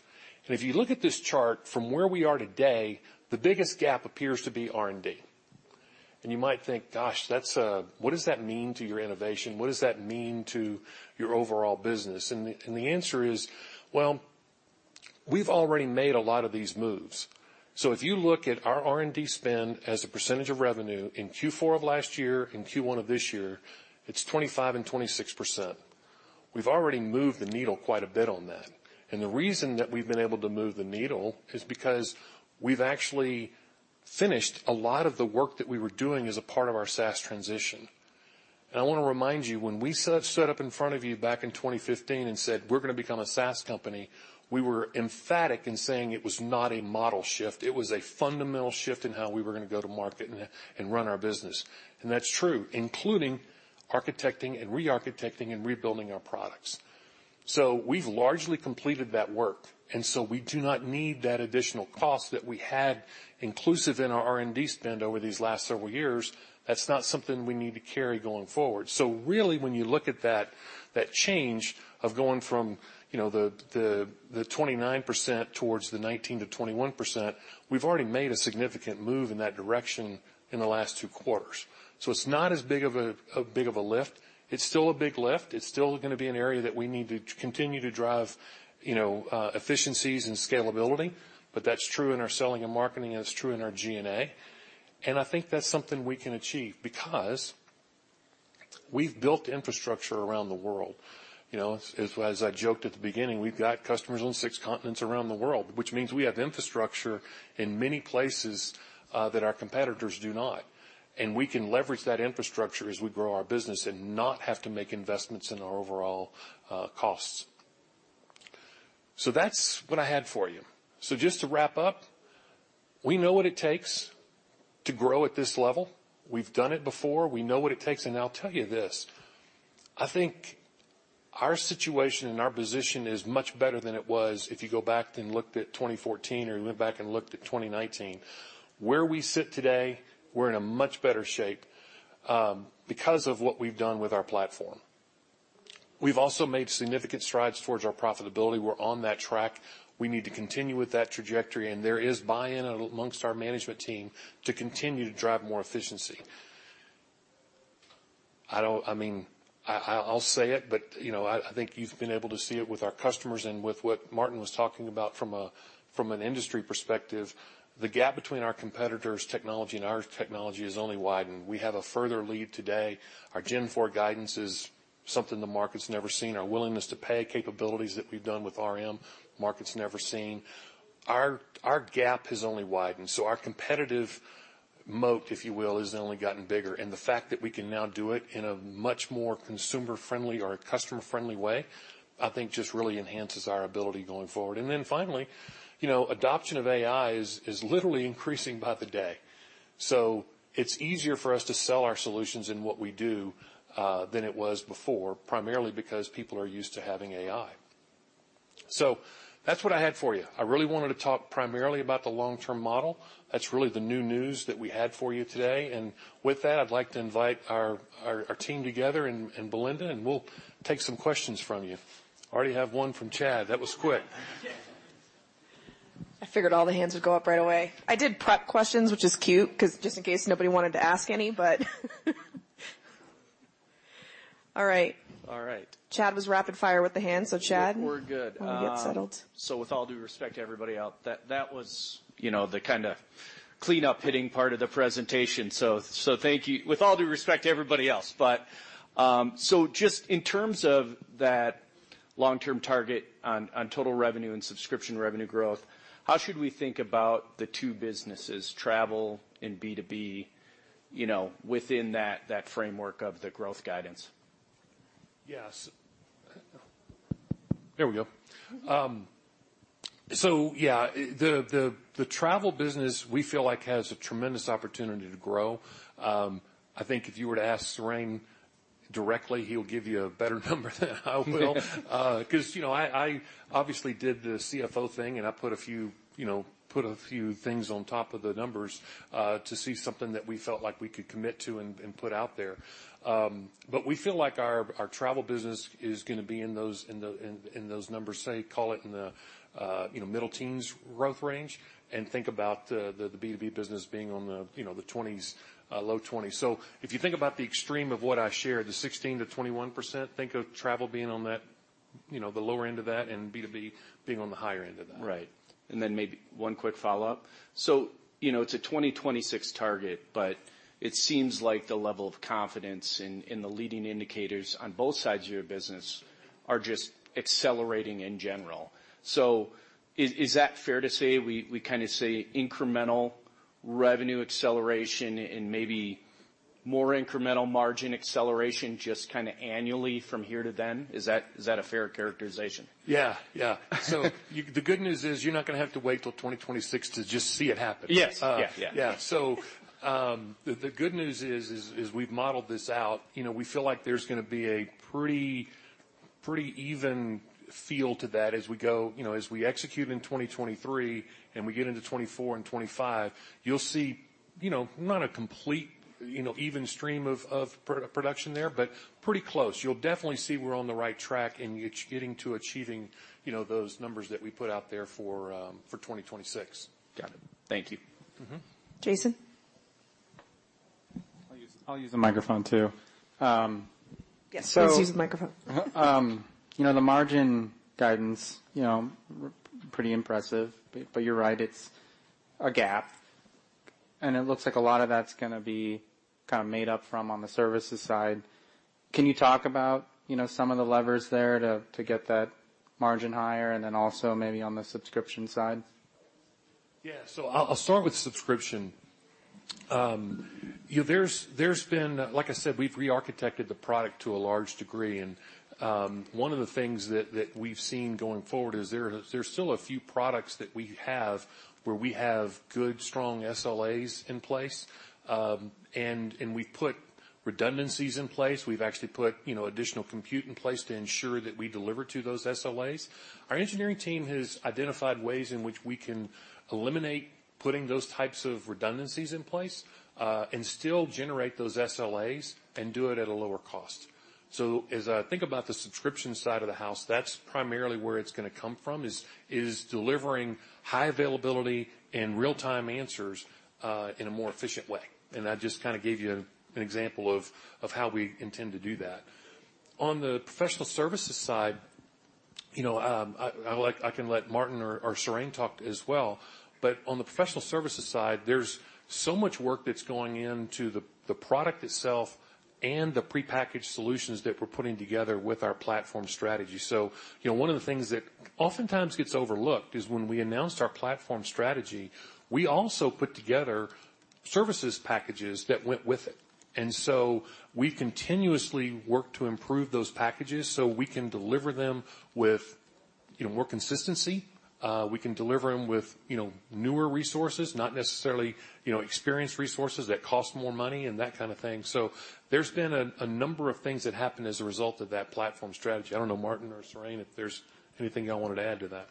If you look at this chart from where we are today, the biggest gap appears to be R&D. You might think, gosh, that's what does that mean to your innovation? What does that mean to your overall business? The answer is, well, we've already made a lot of these moves. If you look at our R&D spend as a percentage of revenue in Q4 of last year and Q1 of this year, it's 25 and 26%. We've already moved the needle quite a bit on that. The reason that we've been able to move the needle is because we've actually finished a lot of the work that we were doing as a part of our SaaS transition. I wanna remind you, when we set up in front of you back in 2015 and said, "We're gonna become a SaaS company," we were emphatic in saying it was not a model shift. It was a fundamental shift in how we were gonna go to market and run our business. That's true, including architecting and re-architecting and rebuilding our products. We've largely completed that work, we do not need that additional cost that we had inclusive in our R&D spend over these last several years. That's not something we need to carry going forward. Really, when you look at that change of going from, you know, the, the 29% towards the 19%-21%, we've already made a significant move in that direction in the last 2 quarters. It's not as big of a lift. It's still a big lift. It's still gonna be an area that we need to continue to drive, you know, efficiencies and scalability, but that's true in our selling and marketing, and it's true in our G&A. I think that's something we can achieve because we've built infrastructure around the world. You know, as I joked at the beginning, we've got customers on 6 continents around the world, which means we have infrastructure in many places that our competitors do not. We can leverage that infrastructure as we grow our business and not have to make investments in our overall costs. That's what I had for you. Just to wrap up, we know what it takes to grow at this level. We've done it before. We know what it takes. I'll tell you this, I think our situation and our position is much better than it was if you go back and looked at 2014 or went back and looked at 2019. We sit today, we're in a much better shape because of what we've done with our platform. We've also made significant strides towards our profitability. We're on that track. We need to continue with that trajectory, and there is buy-in amongst our management team to continue to drive more efficiency. I mean, I'll say it, but, you know, I think you've been able to see it with our customers and with what Martin was talking about from an industry perspective, the gap between our competitors' technology and our technology has only widened. We have a further lead today. Our Gen 4 guidance is something the market's never seen. Our Willingness-to-Pay capabilities that we've done with RM, market's never seen. Our gap has only widened, so our competitive moat, if you will, has only gotten bigger. The fact that we can now do it in a much more consumer-friendly or customer-friendly way, I think, just really enhances our ability going forward. Finally, you know, adoption of AI is literally increasing by the day. It's easier for us to sell our solutions and what we do than it was before, primarily because people are used to having AI. That's what I had for you. I really wanted to talk primarily about the long-term model. That's really the new news that we had for you today. With that, I'd like to invite our team together and Belinda, and we'll take some questions from you. Already have one from Chad. That was quick. I figured all the hands would go up right away. I did prep questions, which is cute, 'cause just in case nobody wanted to ask any. All right. All right. Chad was rapid fire with the hand. We're good. Let me get settled. With all due respect to everybody out, that was, you know, the kinda clean up hitting part of the presentation. Thank you. With all due respect to everybody else, just in terms of that long-term target on total revenue and subscription revenue growth, how should we think about the two businesses, travel and B2B, you know, within that framework of the growth guidance? Yes. There we go. Yeah, the travel business we feel like has a tremendous opportunity to grow. I think if you were to ask Serene directly, he'll give you a better number than I will. 'Cause, you know, I obviously did the Chief Financial Officer thing, and I put a few, you know, put a few things on top of the numbers to see something that we felt like we could commit to and put out there. We feel like our travel business is going to be in those numbers, say, call it in the, you know, middle teens growth range. Think about the B2B business being on the, you know, the 20s, low 20s. if you think about the extreme of what I shared, the 16%-21%, think of travel being on that, you know, the lower end of that and B2B being on the higher end of that. Right. Then maybe one quick follow-up. You know, it's a 2026 target, but it seems like the level of confidence in the leading indicators on both sides of your business are just accelerating in general. Is that fair to say we kinda see incremental revenue acceleration and maybe more incremental margin acceleration just kinda annually from here to then? Is that a fair characterization? Yeah. Yeah. The good news is you're not gonna have to wait till 2026 to just see it happen. Yes. Yeah. Yeah. The good news is we've modeled this out. You know, we feel like there's gonna be a pretty even feel to that as we go. You know, as we execute in 2023 and we get into 2024 and 2025, you'll see, you know, not a complete, you know, even stream of pro-production there, but pretty close. You'll definitely see we're on the right track and it's getting to achieving, you know, those numbers that we put out there for 2026. Got it. Thank you. Mm-hmm. Jason. I'll use the microphone too. Yes, please use the microphone. You know, the margin guidance, you know, pretty impressive. You're right, it's a gap, and it looks like a lot of that's gonna be kinda made up from on the services side. Can you talk about, you know, some of the levers there to get that margin higher and then also maybe on the subscription side? Yeah. I'll start with subscription. Like I said, we've rearchitected the product to a large degree, and one of the things that we've seen going forward is there's still a few products that we have where we have good, strong SLAs in place. We've put redundancies in place. We've actually put, you know, additional compute in place to ensure that we deliver to those SLAs. Our engineering team has identified ways in which we can eliminate putting those types of redundancies in place, and still generate those SLAs and do it at a lower cost. As I think about the subscription side of the house, that's primarily where it's gonna come from, is delivering high availability and real-time answers in a more efficient way. I just kinda gave you an example of how we intend to do that. On the professional services side. You know, I can let Martin or Surain talk as well, but on the professional services side, there's so much work that's going into the product itself and the prepackaged solutions that we're putting together with our platform strategy. You know, one of the things that oftentimes gets overlooked is when we announced our platform strategy, we also put together services packages that went with it. We continuously work to improve those packages so we can deliver them with, you know, more consistency. We can deliver them with, you know, newer resources, not necessarily, you know, experienced resources that cost more money and that kind of thing. There's been a number of things that happened as a result of that platform strategy. I don't know, Martin or Serene, if there's anything y'all wanted to add to that.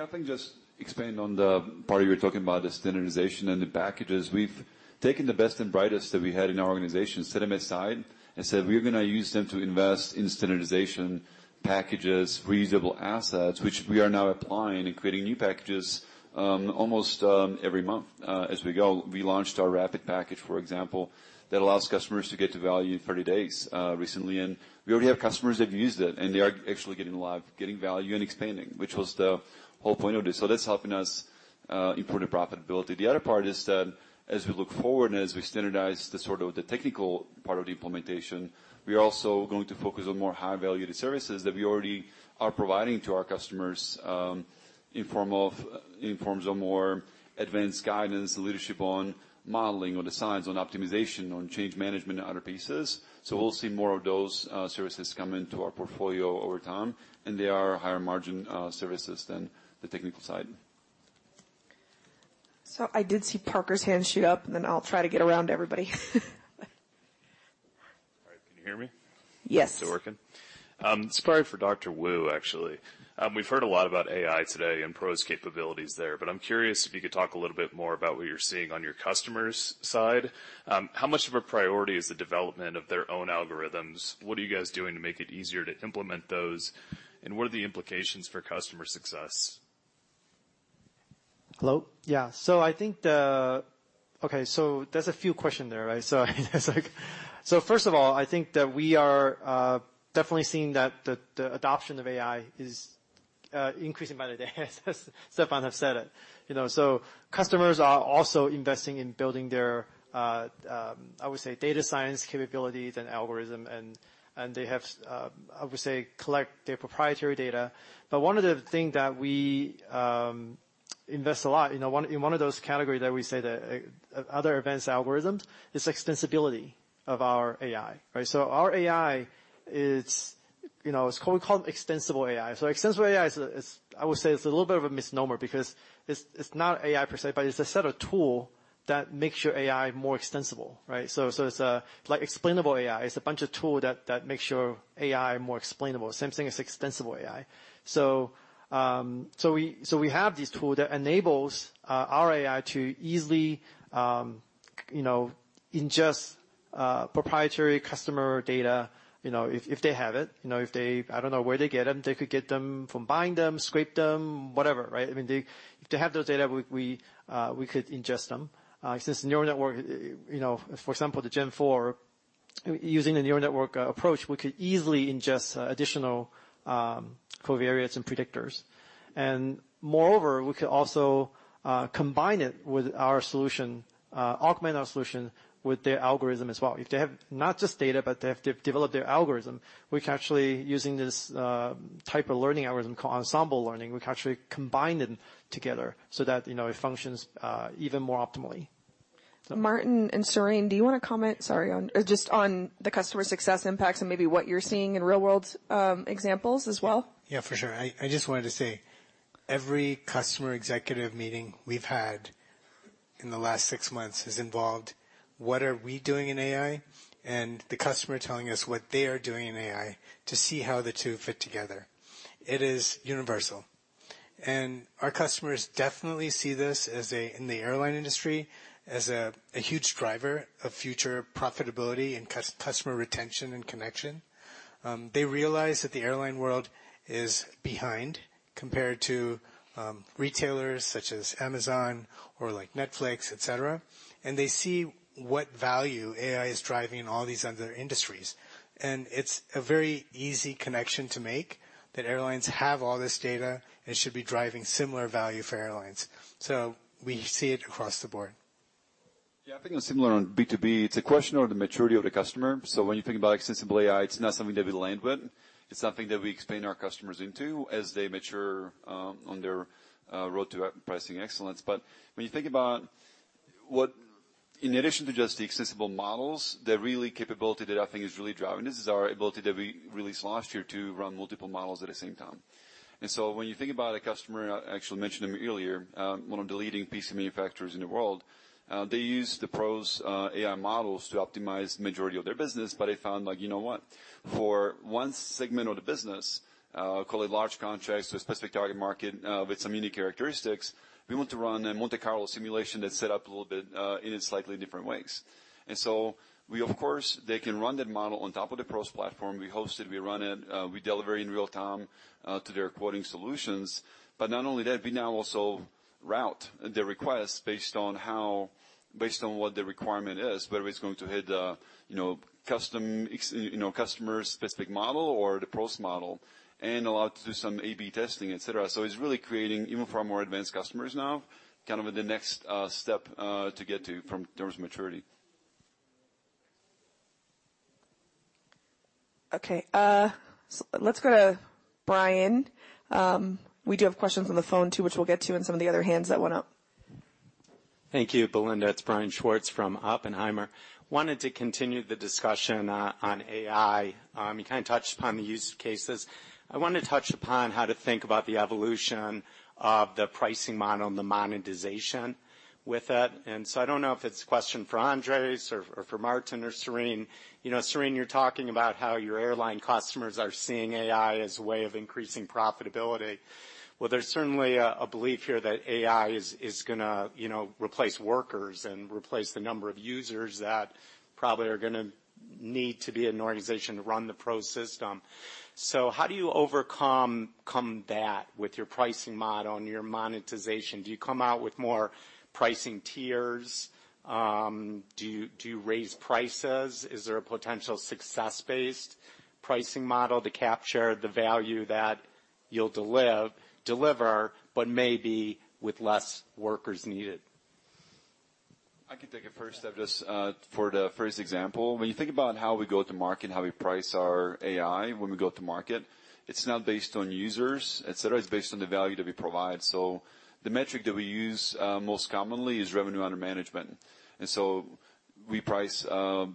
I can just expand on the part you were talking about, the standardization and the packages. We've taken the best and brightest that we had in our organization, set them aside and said, "We're gonna use them to invest in standardization packages, reusable assets," which we are now applying and creating new packages almost every month as we go. We launched our rapid package, for example, that allows customers to get to value in 30 days recently, and we already have customers that have used it, and they are actually getting live, getting value and expanding, which was the whole point of this. That's helping us improve the profitability. The other part is that as we look forward and as we standardize the sort of the technical part of the implementation, we are also going to focus on more high-value services that we already are providing to our customers, in forms of more advanced guidance, leadership on modeling, on the science, on optimization, on change management and other pieces. We'll see more of those services come into our portfolio over time, and they are higher margin services than the technical side. I did see Parker's hand shoot up, and then I'll try to get around to everybody. All right. Can you hear me? Yes. Is it working? This is probably for Dr. Wu actually. We've heard a lot about AI today and PROS capabilities there, but I'm curious if you could talk a little bit more about what you're seeing on your customers' side. How much of a priority is the development of their own algorithms? What are you guys doing to make it easier to implement those, and what are the implications for customer success? Hello? Yeah. I think the... Okay, there's a few question there, right? It's like... First of all, I think that we are definitely seeing that the adoption of AI is increasing by the day, as Stefan have said it. You know, customers are also investing in building their, I would say, data science capabilities and algorithm and they have, I would say, collect their proprietary data. One of the thing that we invest a lot, you know, one, in one of those categories that we say that other advanced algorithms is extensibility of our AI, right? Our AI is, you know, it's called, we call it Extensible AI. Extensible AI, I would say, is a little bit of a misnomer because it's not AI per se, but it's a set of tool that makes your AI more extensible, right? It's like explainable AI. It's a bunch of tool that makes your AI more explainable, same thing as Extensible AI. We have this tool that enables our AI to easily, you know, ingest proprietary customer data, you know, if they have it. You know, I don't know where they get them. They could get them from buying them, scrape them, whatever, right? I mean, they, if they have those data, we could ingest them. Since neural network, you know, for example, the Gen 4, using the neural network approach, we could easily ingest additional covariates and predictors. Moreover, we could also combine it with our solution, augment our solution with their algorithm as well. If they have not just data, but they have de-developed their algorithm, we can actually, using this type of learning algorithm called ensemble learning, we can actually combine them together so that, you know, it functions even more optimally. Martin and Surain, do you wanna comment, sorry, on, just on the customer success impacts and maybe what you're seeing in real-world examples as well? Yeah, for sure. I just wanted to say, every customer executive meeting we've had in the last six months has involved what are we doing in AI and the customer telling us what they are doing in AI to see how the two fit together. It is universal. Our customers definitely see this in the airline industry, as a huge driver of future profitability and customer retention and connection. They realize that the airline world is behind compared to retailers such as Amazon or, like, Netflix, et cetera. They see what value AI is driving in all these other industries. It's a very easy connection to make that airlines have all this data and should be driving similar value for airlines. We see it across the board. Yeah. I think it's similar on B2B. It's a question of the maturity of the customer. When you think about extensible AI, it's not something that we land with. It's something that we expand our customers into as they mature on their road to pricing excellence. When you think about In addition to just the extensible models, the really capability that I think is really driving this is our ability that we released last year to run multiple models at the same time. When you think about a customer, I actually mentioned them earlier, one of the leading PC manufacturers in the world, they use the PROS AI models to optimize majority of their business, but they found, like, you know what? For one segment of the business, call it large contracts to a specific target market, with some unique characteristics, we want to run a Monte Carlo simulation that's set up a little bit in its slightly different ways. We, of course, they can run that model on top of the PROS platform. We host it, we run it, we deliver in real time to their quoting solutions. Not only that, we now also route the request based on what the requirement is, whether it's going to hit, you know, customer-specific model or the PROS model, and allow it to do some A/B testing, et cetera. It's really creating, even for our more advanced customers now, kind of the next step to get to in terms of maturity. Okay. let's go to Brian. We do have questions on the phone too, which we'll get to, and some of the other hands that went up. Thank you, Belinda. It's Brian Schwartz from Oppenheimer. Wanted to continue the discussion on AI. You kinda touched upon the use cases. I wanna touch upon how to think about the evolution of the pricing model and the monetization with it. I don't know if it's a question for Andres or for Martin or Serene. You know, Serene, you're talking about how your airline customers are seeing AI as a way of increasing profitability. Well, there's certainly a belief here that AI is gonna, you know, replace workers and replace the number of users that probably are gonna need to be in an organization to run the PROS system. How do you overcome, combat with your pricing model and your monetization? Do you come out with more pricing tiers? Do you raise prices? Is there a potential success-based pricing model to capture the value that you'll deliver, but maybe with less workers needed? I can take it first, just for the first example. When you think about how we go to market and how we price our AI when we go to market, it's not based on users, et cetera, it's based on the value that we provide. The metric that we use, most commonly is Revenue Under Management. We price,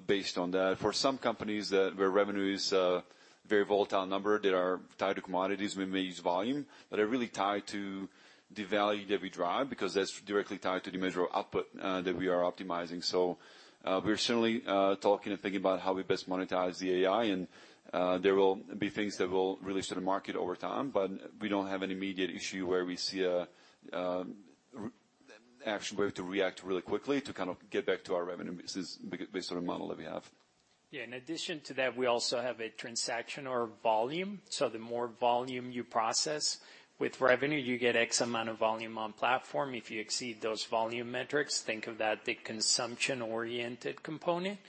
based on that. For some companies where revenue is a very volatile number that are tied to commodities, we may use volume. They're really tied to the value that we drive because that's directly tied to the measure of output, that we are optimizing. We're certainly talking and thinking about how we best monetize the AI, and there will be things that we'll release to the market over time. We don't have an immediate issue where we see a, actually we have to react really quickly to kind of get back to our revenue basis based on the model that we have. In addition to that, we also have a transaction or volume. The more volume you process, with revenue, you get X amount of volume on platform. If you exceed those volume metrics, think of that big consumption-oriented component,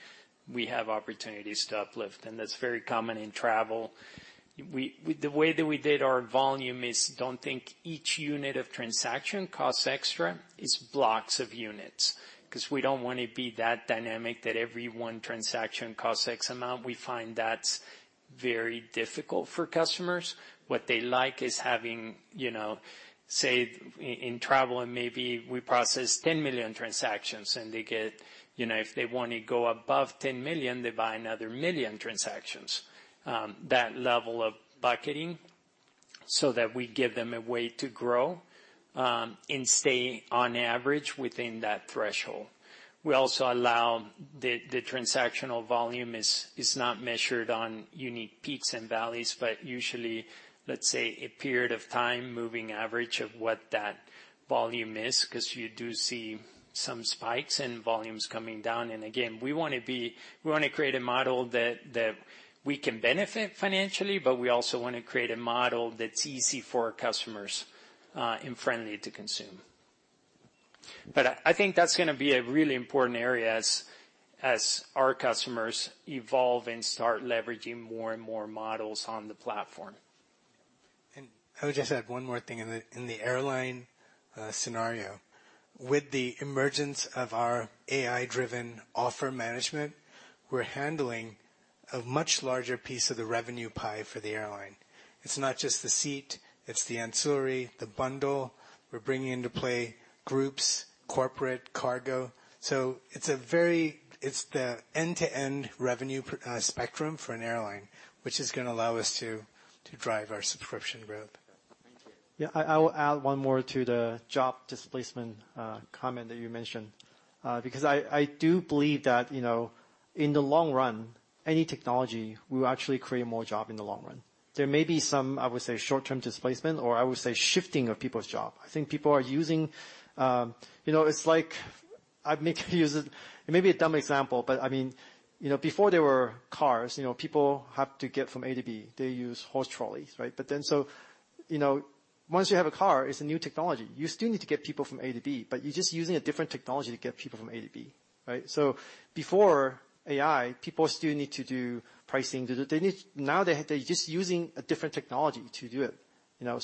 we have opportunities to uplift. That's very common in travel. The way that we did our volume is don't think each unit of transaction costs extra. It's blocks of units. Because we don't want to be that dynamic that every 1 transaction costs X amount. We find that's very difficult for customers. What they like is having, you know, say in travel and maybe we process 10 million transactions and they get, you know, if they want to go above 10 million, they buy another 1 million transactions. That level of bucketing so that we give them a way to grow and stay on average within that threshold. We also allow the transactional volume is not measured on unique peaks and valleys, but usually, let's say, a period of time moving average of what that volume is, 'cause you do see some spikes and volumes coming down. Again, we wanna create a model that we can benefit financially, but we also wanna create a model that's easy for our customers and friendly to consume. I think that's gonna be a really important area as our customers evolve and start leveraging more and more models on the platform. I would just add one more thing. In the, in the airline scenario, with the emergence of our AI-driven Offer Management, we're handling a much larger piece of the revenue pie for the airline. It's not just the seat, it's the ancillary, the bundle. We're bringing into play groups, corporate, cargo. It's the end-to-end revenue spectrum for an airline, which is gonna allow us to drive our subscription growth. Thank you. Yeah. I will add one more to the job displacement comment that you mentioned. because I do believe that, you know, in the long run, any technology will actually create more job in the long run. There may be some, I would say, short-term displacement, or I would say, shifting of people's job. I think people are using. You know, it's like, I make use of it may be a dumb example, but I mean, you know, before there were cars, you know, people have to get from A to B, they use horse trolleys, right? You know, once you have a car, it's a new technology. You still need to get people from A to B, but you're just using a different technology to get people from A to B, right? Before AI, people still need to do pricing. They're just using a different technology to do it, you know?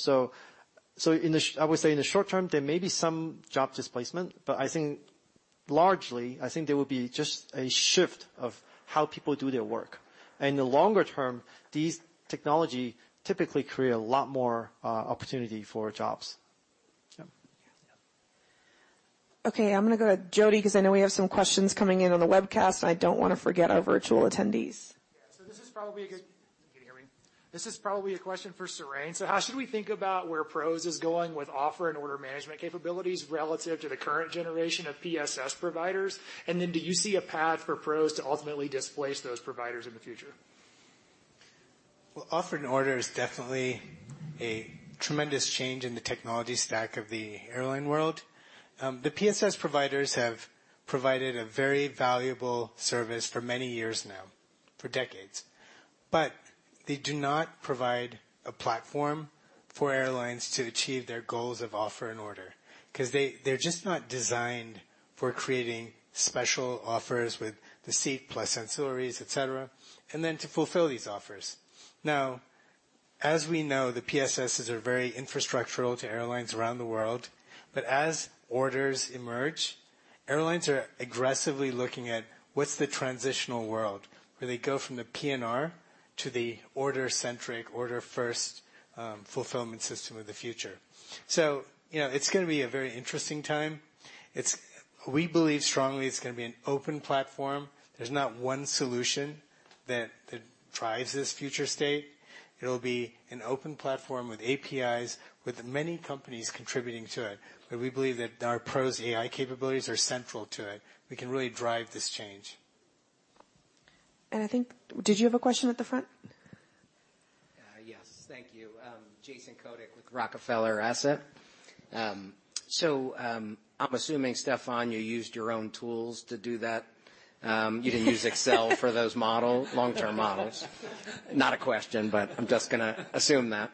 I would say in the short term, there may be some job displacement, but I think largely, I think there will be just a shift of how people do their work. In the longer term, these technology typically create a lot more opportunity for jobs. Yeah. Okay, I'm gonna go to Jody 'cause I know we have some questions coming in on the webcast. I don't wanna forget our virtual attendees. Okay. Can you hear me? This is probably a question for Serene. How should we think about where PROS is going with offer and order management capabilities relative to the current generation of PSS providers? Do you see a path for PROS to ultimately displace those providers in the future? Offer and order is definitely a tremendous change in the technology stack of the airline world. The PSS providers have provided a very valuable service for many years now, for decades. They do not provide a platform for airlines to achieve their goals of offer and order, cause they're just not designed for creating special offers with the seat plus ancillaries, et cetera, and then to fulfill these offers. As we know, the PSSs are very infrastructural to airlines around the world. As orders emerge, airlines are aggressively looking at what's the transitional world, where they go from the PNR to the order-centric, order-first fulfillment system of the future. You know, it's gonna be a very interesting time. We believe strongly it's gonna be an open platform. There's not one solution that drives this future state. It'll be an open platform with APIs, with many companies contributing to it. We believe that our PROS AI capabilities are central to it. We can really drive this change. I think. Did you have a question at the front? Yes. Thank you. Jason Kotik with Rockefeller Asset Management. I'm assuming, Stefan, you used your own tools to do that. You didn't use Excel for those long-term models. Not a question, but I'm just gonna assume that.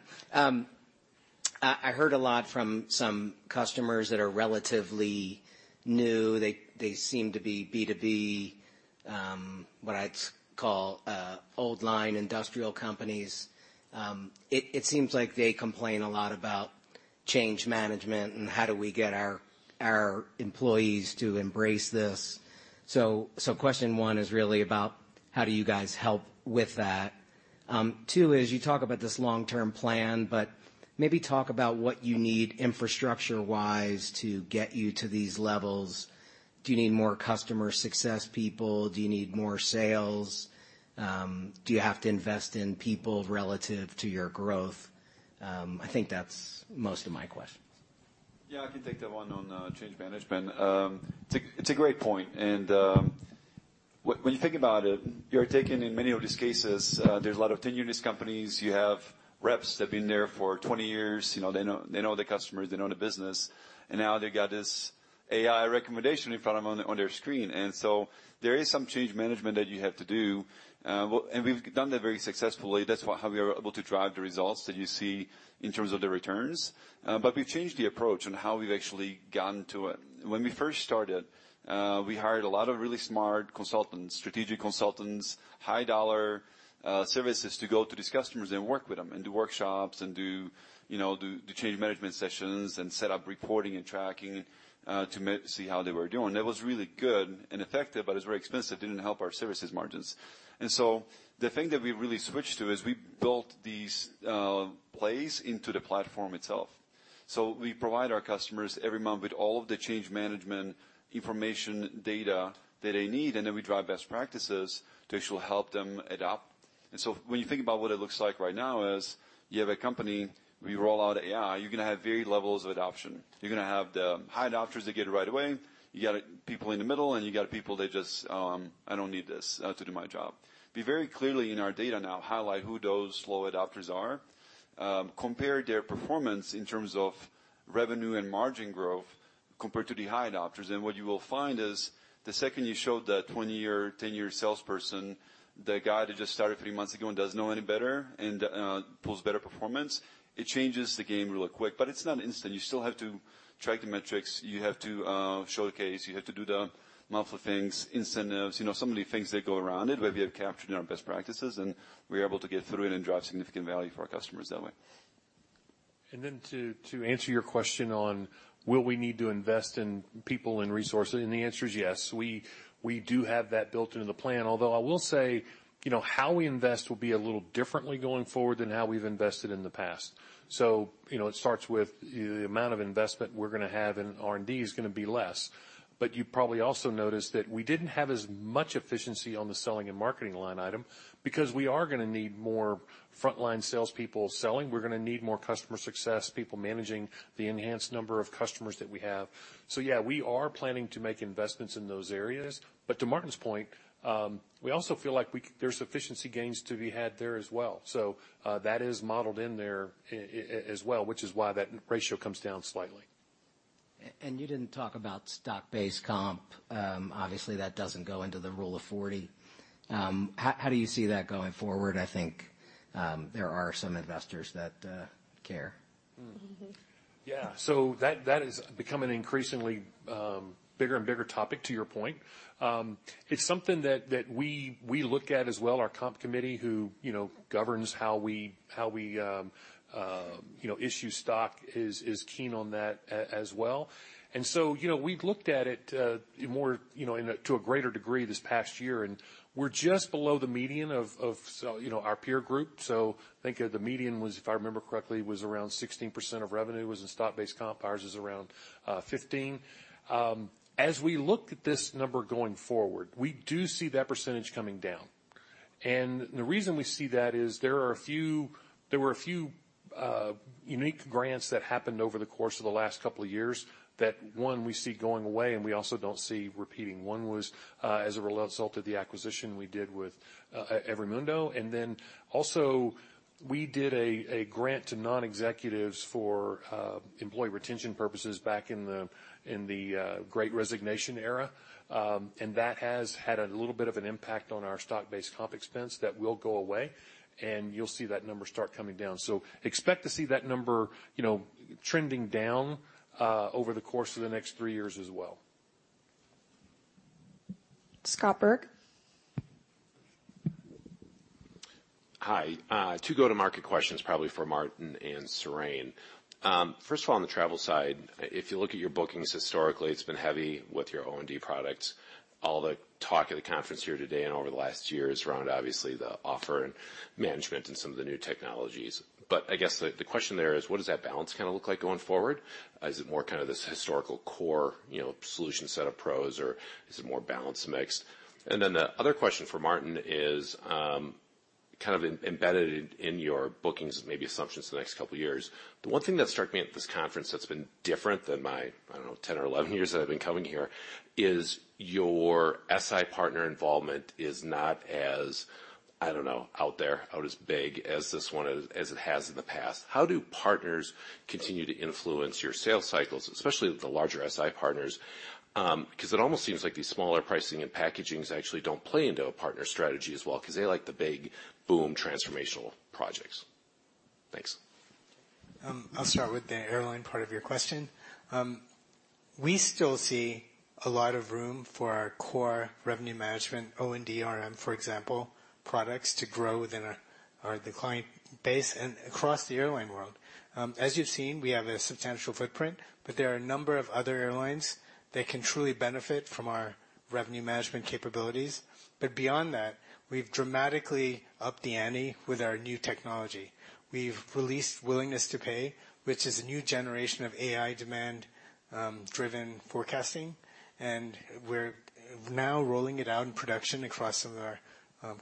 I heard a lot from some customers that are relatively new. They seem to be B2B, old line industrial companies. It seems like they complain a lot about change management and how do we get our employees to embrace this. Question 1 is really about how do you guys help with that? 2 is, you talk about this long-term plan, but maybe talk about what you need infrastructure-wise to get you to these levels. Do you need more customer success people? Do you need more sales? Do you have to invest in people relative to your growth? I think that's most of my questions. Yeah, I can take that one on, change management. It's a, it's a great point and, when you think about it, you're taking in many of these cases, there's a lot of tenured companies. You have reps that have been there for 20 years, you know. They know, they know the customers, they know the business, and now they've got this AI recommendation in front of them on their screen. There is some change management that you have to do. Well, and we've done that very successfully. That's how we are able to drive the results that you see in terms of the returns. We've changed the approach on how we've actually gotten to it. When we first started, we hired a lot of really smart consultants, strategic consultants, high dollar services to go to these customers and work with them and do workshops and do, you know, do change management sessions and set up reporting and tracking to see how they were doing. That was really good and effective, but it's very expensive. Didn't help our services margins. The thing that we really switched to is we built these plays into the platform itself. We provide our customers every month with all of the change management information data that they need, and then we drive best practices to actually help them adapt. When you think about what it looks like right now is you have a company, we roll out AI, you're gonna have varied levels of adoption. You're gonna have the high adopters that get it right away. You got people in the middle, and you got people that just, "I don't need this to do my job." We very clearly in our data now highlight who those low adopters are, compare their performance in terms of revenue and margin growth compared to the high adopters. What you will find is the second you show the 20-year, 10-year salesperson, the guy that just started three months ago and doesn't know any better and pulls better performance, it changes the game really quick. It's not instant. You still have to track the metrics. You have to showcase. You have to do the monthly things, incentives, you know, some of the things that go around it, where we have captured in our best practices, and we're able to get through it and drive significant value for our customers that way. Then to answer your question on will we need to invest in people and resources, and the answer is yes. We do have that built into the plan. Although I will say, you know, how we invest will be a little differently going forward than how we've invested in the past. You know, it starts with the amount of investment we're gonna have in R&D is gonna be less. You probably also noticed that we didn't have as much efficiency on the selling and marketing line item because we are gonna need more frontline salespeople selling. We're gonna need more customer success people managing the enhanced number of customers that we have. Yeah, we are planning to make investments in those areas. To Martin's point, we also feel like there's efficiency gains to be had there as well. That is modeled in there as well, which is why that ratio comes down slightly. You didn't talk about Stock-Based Compensation. Obviously that doesn't go into the Rule of 40. How do you see that going forward? I think, there are some investors that care. Mm-hmm. That is becoming an increasingly, bigger and bigger topic, to your point. It's something that we look at as well. Our comp committee who, you know, governs how we, you know, issue stock is keen on that as well. You know, we've looked at it, more, you know, in a, to a greater degree this past year, and we're just below the median of, you know, our peer group. I think the median was, if I remember correctly, was around 16% of revenue was in Stock-Based Compensation. Ours is around 15%. As we look at this number going forward, we do see that percentage coming down. The reason we see that is there were a few unique grants that happened over the course of the last couple of years that, one, we see going away, and we also don't see repeating. One was as a result of the acquisition we did with EveryMundo. Also we did a grant to non-executives for employee retention purposes back in the great resignation era. That has had a little bit of an impact on our Stock-Based Compensation expense that will go away, and you'll see that number start coming down. Expect to see that number, you know, trending down over the course of the next 3 years as well. Scott Berg. Hi. Two go-to-market questions, probably for Martin and Seraine. First of all, on the travel side, if you look at your bookings historically, it's been heavy with your O&D products. All the talk of the conference here today and over the last year is around, obviously, the offer and management and some of the new technologies. I guess the question there is: what does that balance kinda look like going forward? Is it more kinda this historical core, you know, solution set of PROS, or is it a more balanced mix? The other question for Martin is, kind of embedded in your bookings, maybe assumptions the next couple years. The one thing that struck me at this conference that's been different than my, I don't know, 10 or 11 years that I've been coming here, is your SI partner involvement is not as, I don't know, out there, out as big as this one, as it has in the past. How do partners continue to influence your sales cycles, especially with the larger SI partners? 'Cause it almost seems like these smaller pricing and packagings actually don't play into a partner strategy as well, 'cause they like the big boom transformational projects. Thanks. I'll start with the airline part of your question. We still see a lot of room for our core revenue management, O&DRM, for example, products to grow within our decline base and across the airline world. As you've seen, we have a substantial footprint, but there are a number of other airlines that can truly benefit from our revenue management capabilities. Beyond that, we've dramatically upped the ante with our new technology. We've released Willingness-to-Pay, which is a new generation of AI demand driven forecasting, and we're now rolling it out in production across some of our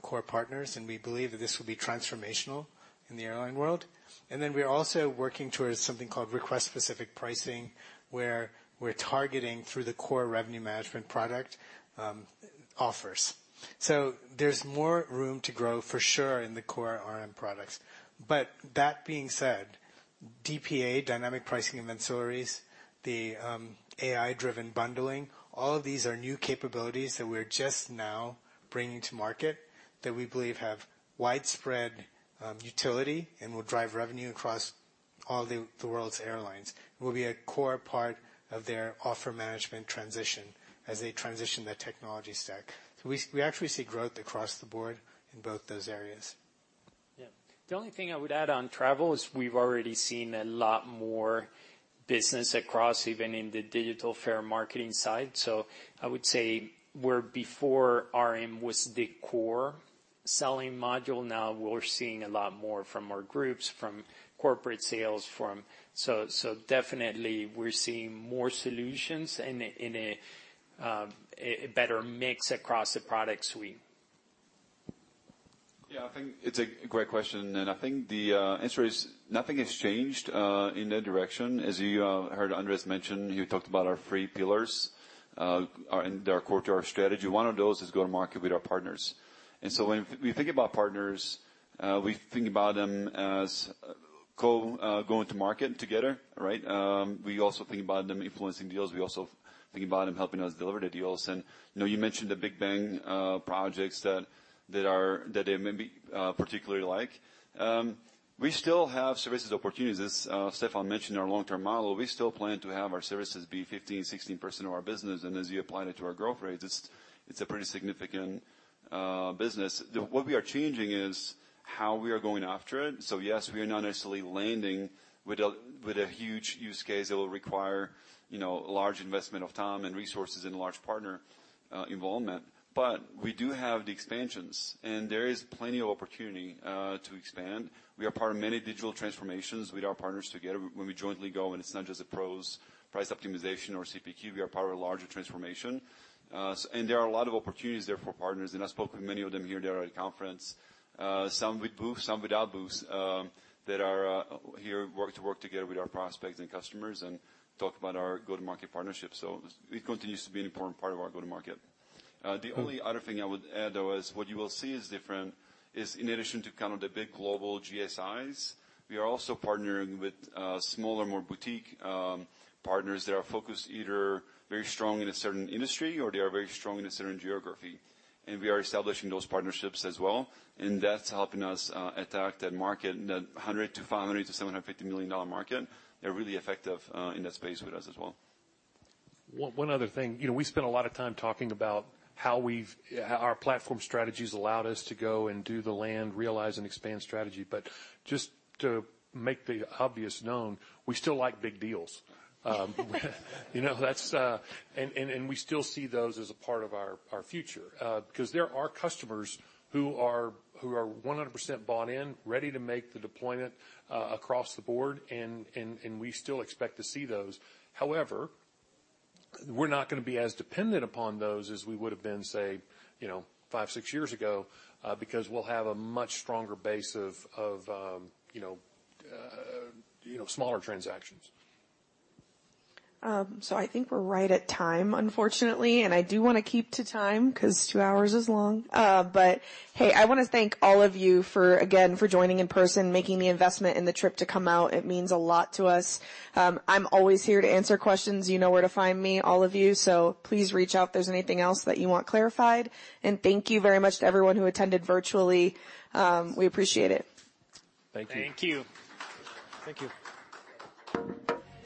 core partners, and we believe that this will be transformational in the airline world. Then we're also working towards something called Request-Specific Pricing, where we're targeting through the core revenue management product, offers. There's more room to grow for sure in the core RM products. That being said, DPA, Dynamic Pricing and Ancillaries, the AI-driven bundling, all of these are new capabilities that we're just now bringing to market that we believe have widespread utility and will drive revenue across all the world's airlines, and will be a core part of their Offer Management transition as they transition their technology stack. We actually see growth across the board in both those areas. The only thing I would add on travel is we've already seen a lot more business across, even in the digital fare marketing side. I would say where before RM was the core selling module, now we're seeing a lot more from our groups, from corporate sales. Definitely we're seeing more solutions and a, and a better mix across the product suite. Yeah, I think it's a great question. I think the answer is nothing has changed in that direction. As you heard Andres mention, he talked about our three pillars, and they're core to our strategy. One of those is go to market with our partners. When we think about partners, we think about them as co- going to market together, right? We also think about them influencing deals. We also think about them helping us deliver the deals. You know, you mentioned the big bang projects that they maybe particularly like. We still have services opportunities. As Stefan mentioned, our long-term model, we still plan to have our services be 15%, 16% of our business. As you apply that to our growth rates, it's a pretty significant business. What we are changing is how we are going after it. Yes, we are not necessarily landing with a huge use case that will require, you know, large investment of time and resources and large partner involvement. We do have the expansions, and there is plenty of opportunity to expand. We are part of many digital transformations with our partners together. When we jointly go in, it's not just a PROS price optimization or CPQ, we are part of a larger transformation. There are a lot of opportunities there for partners, and I spoke with many of them here that are at Outperform, some with booth, some without booths, that are here work to work together with our prospects and customers and talk about our go-to-market partnerships. It continues to be an important part of our go-to-market. The only other thing I would add, though, is what you will see is different is in addition to kind of the big global GSIs, we are also partnering with smaller, more boutique partners that are focused either very strong in a certain industry or they are very strong in a certain geography. And we are establishing those partnerships as well, and that's helping us attack that market, that $100 million-$500 million-$750 million market. They're really effective in that space with us as well. One other thing. You know, we spent a lot of time talking about how our platform strategies allowed us to go and do the Land, Realize, and Expand strategy. Just to make the obvious known, we still like big deals. You know, that's. We still see those as a part of our future. Because there are customers who are 100% bought in, ready to make the deployment across the board, and we still expect to see those. However, we're not gonna be as dependent upon those as we would've been, say, you know, five, six years ago, because we'll have a much stronger base of, you know, smaller transactions. I think we're right at time, unfortunately, and I do wanna keep to time, 'cause two hours is long. Hey, I wanna thank all of you for, again, for joining in person, making the investment in the trip to come out. It means a lot to us. I'm always here to answer questions. You know where to find me, all of you. Please reach out if there's anything else that you want clarified. Thank you very much to everyone who attended virtually. We appreciate it. Thank you. Thank you. Thank you.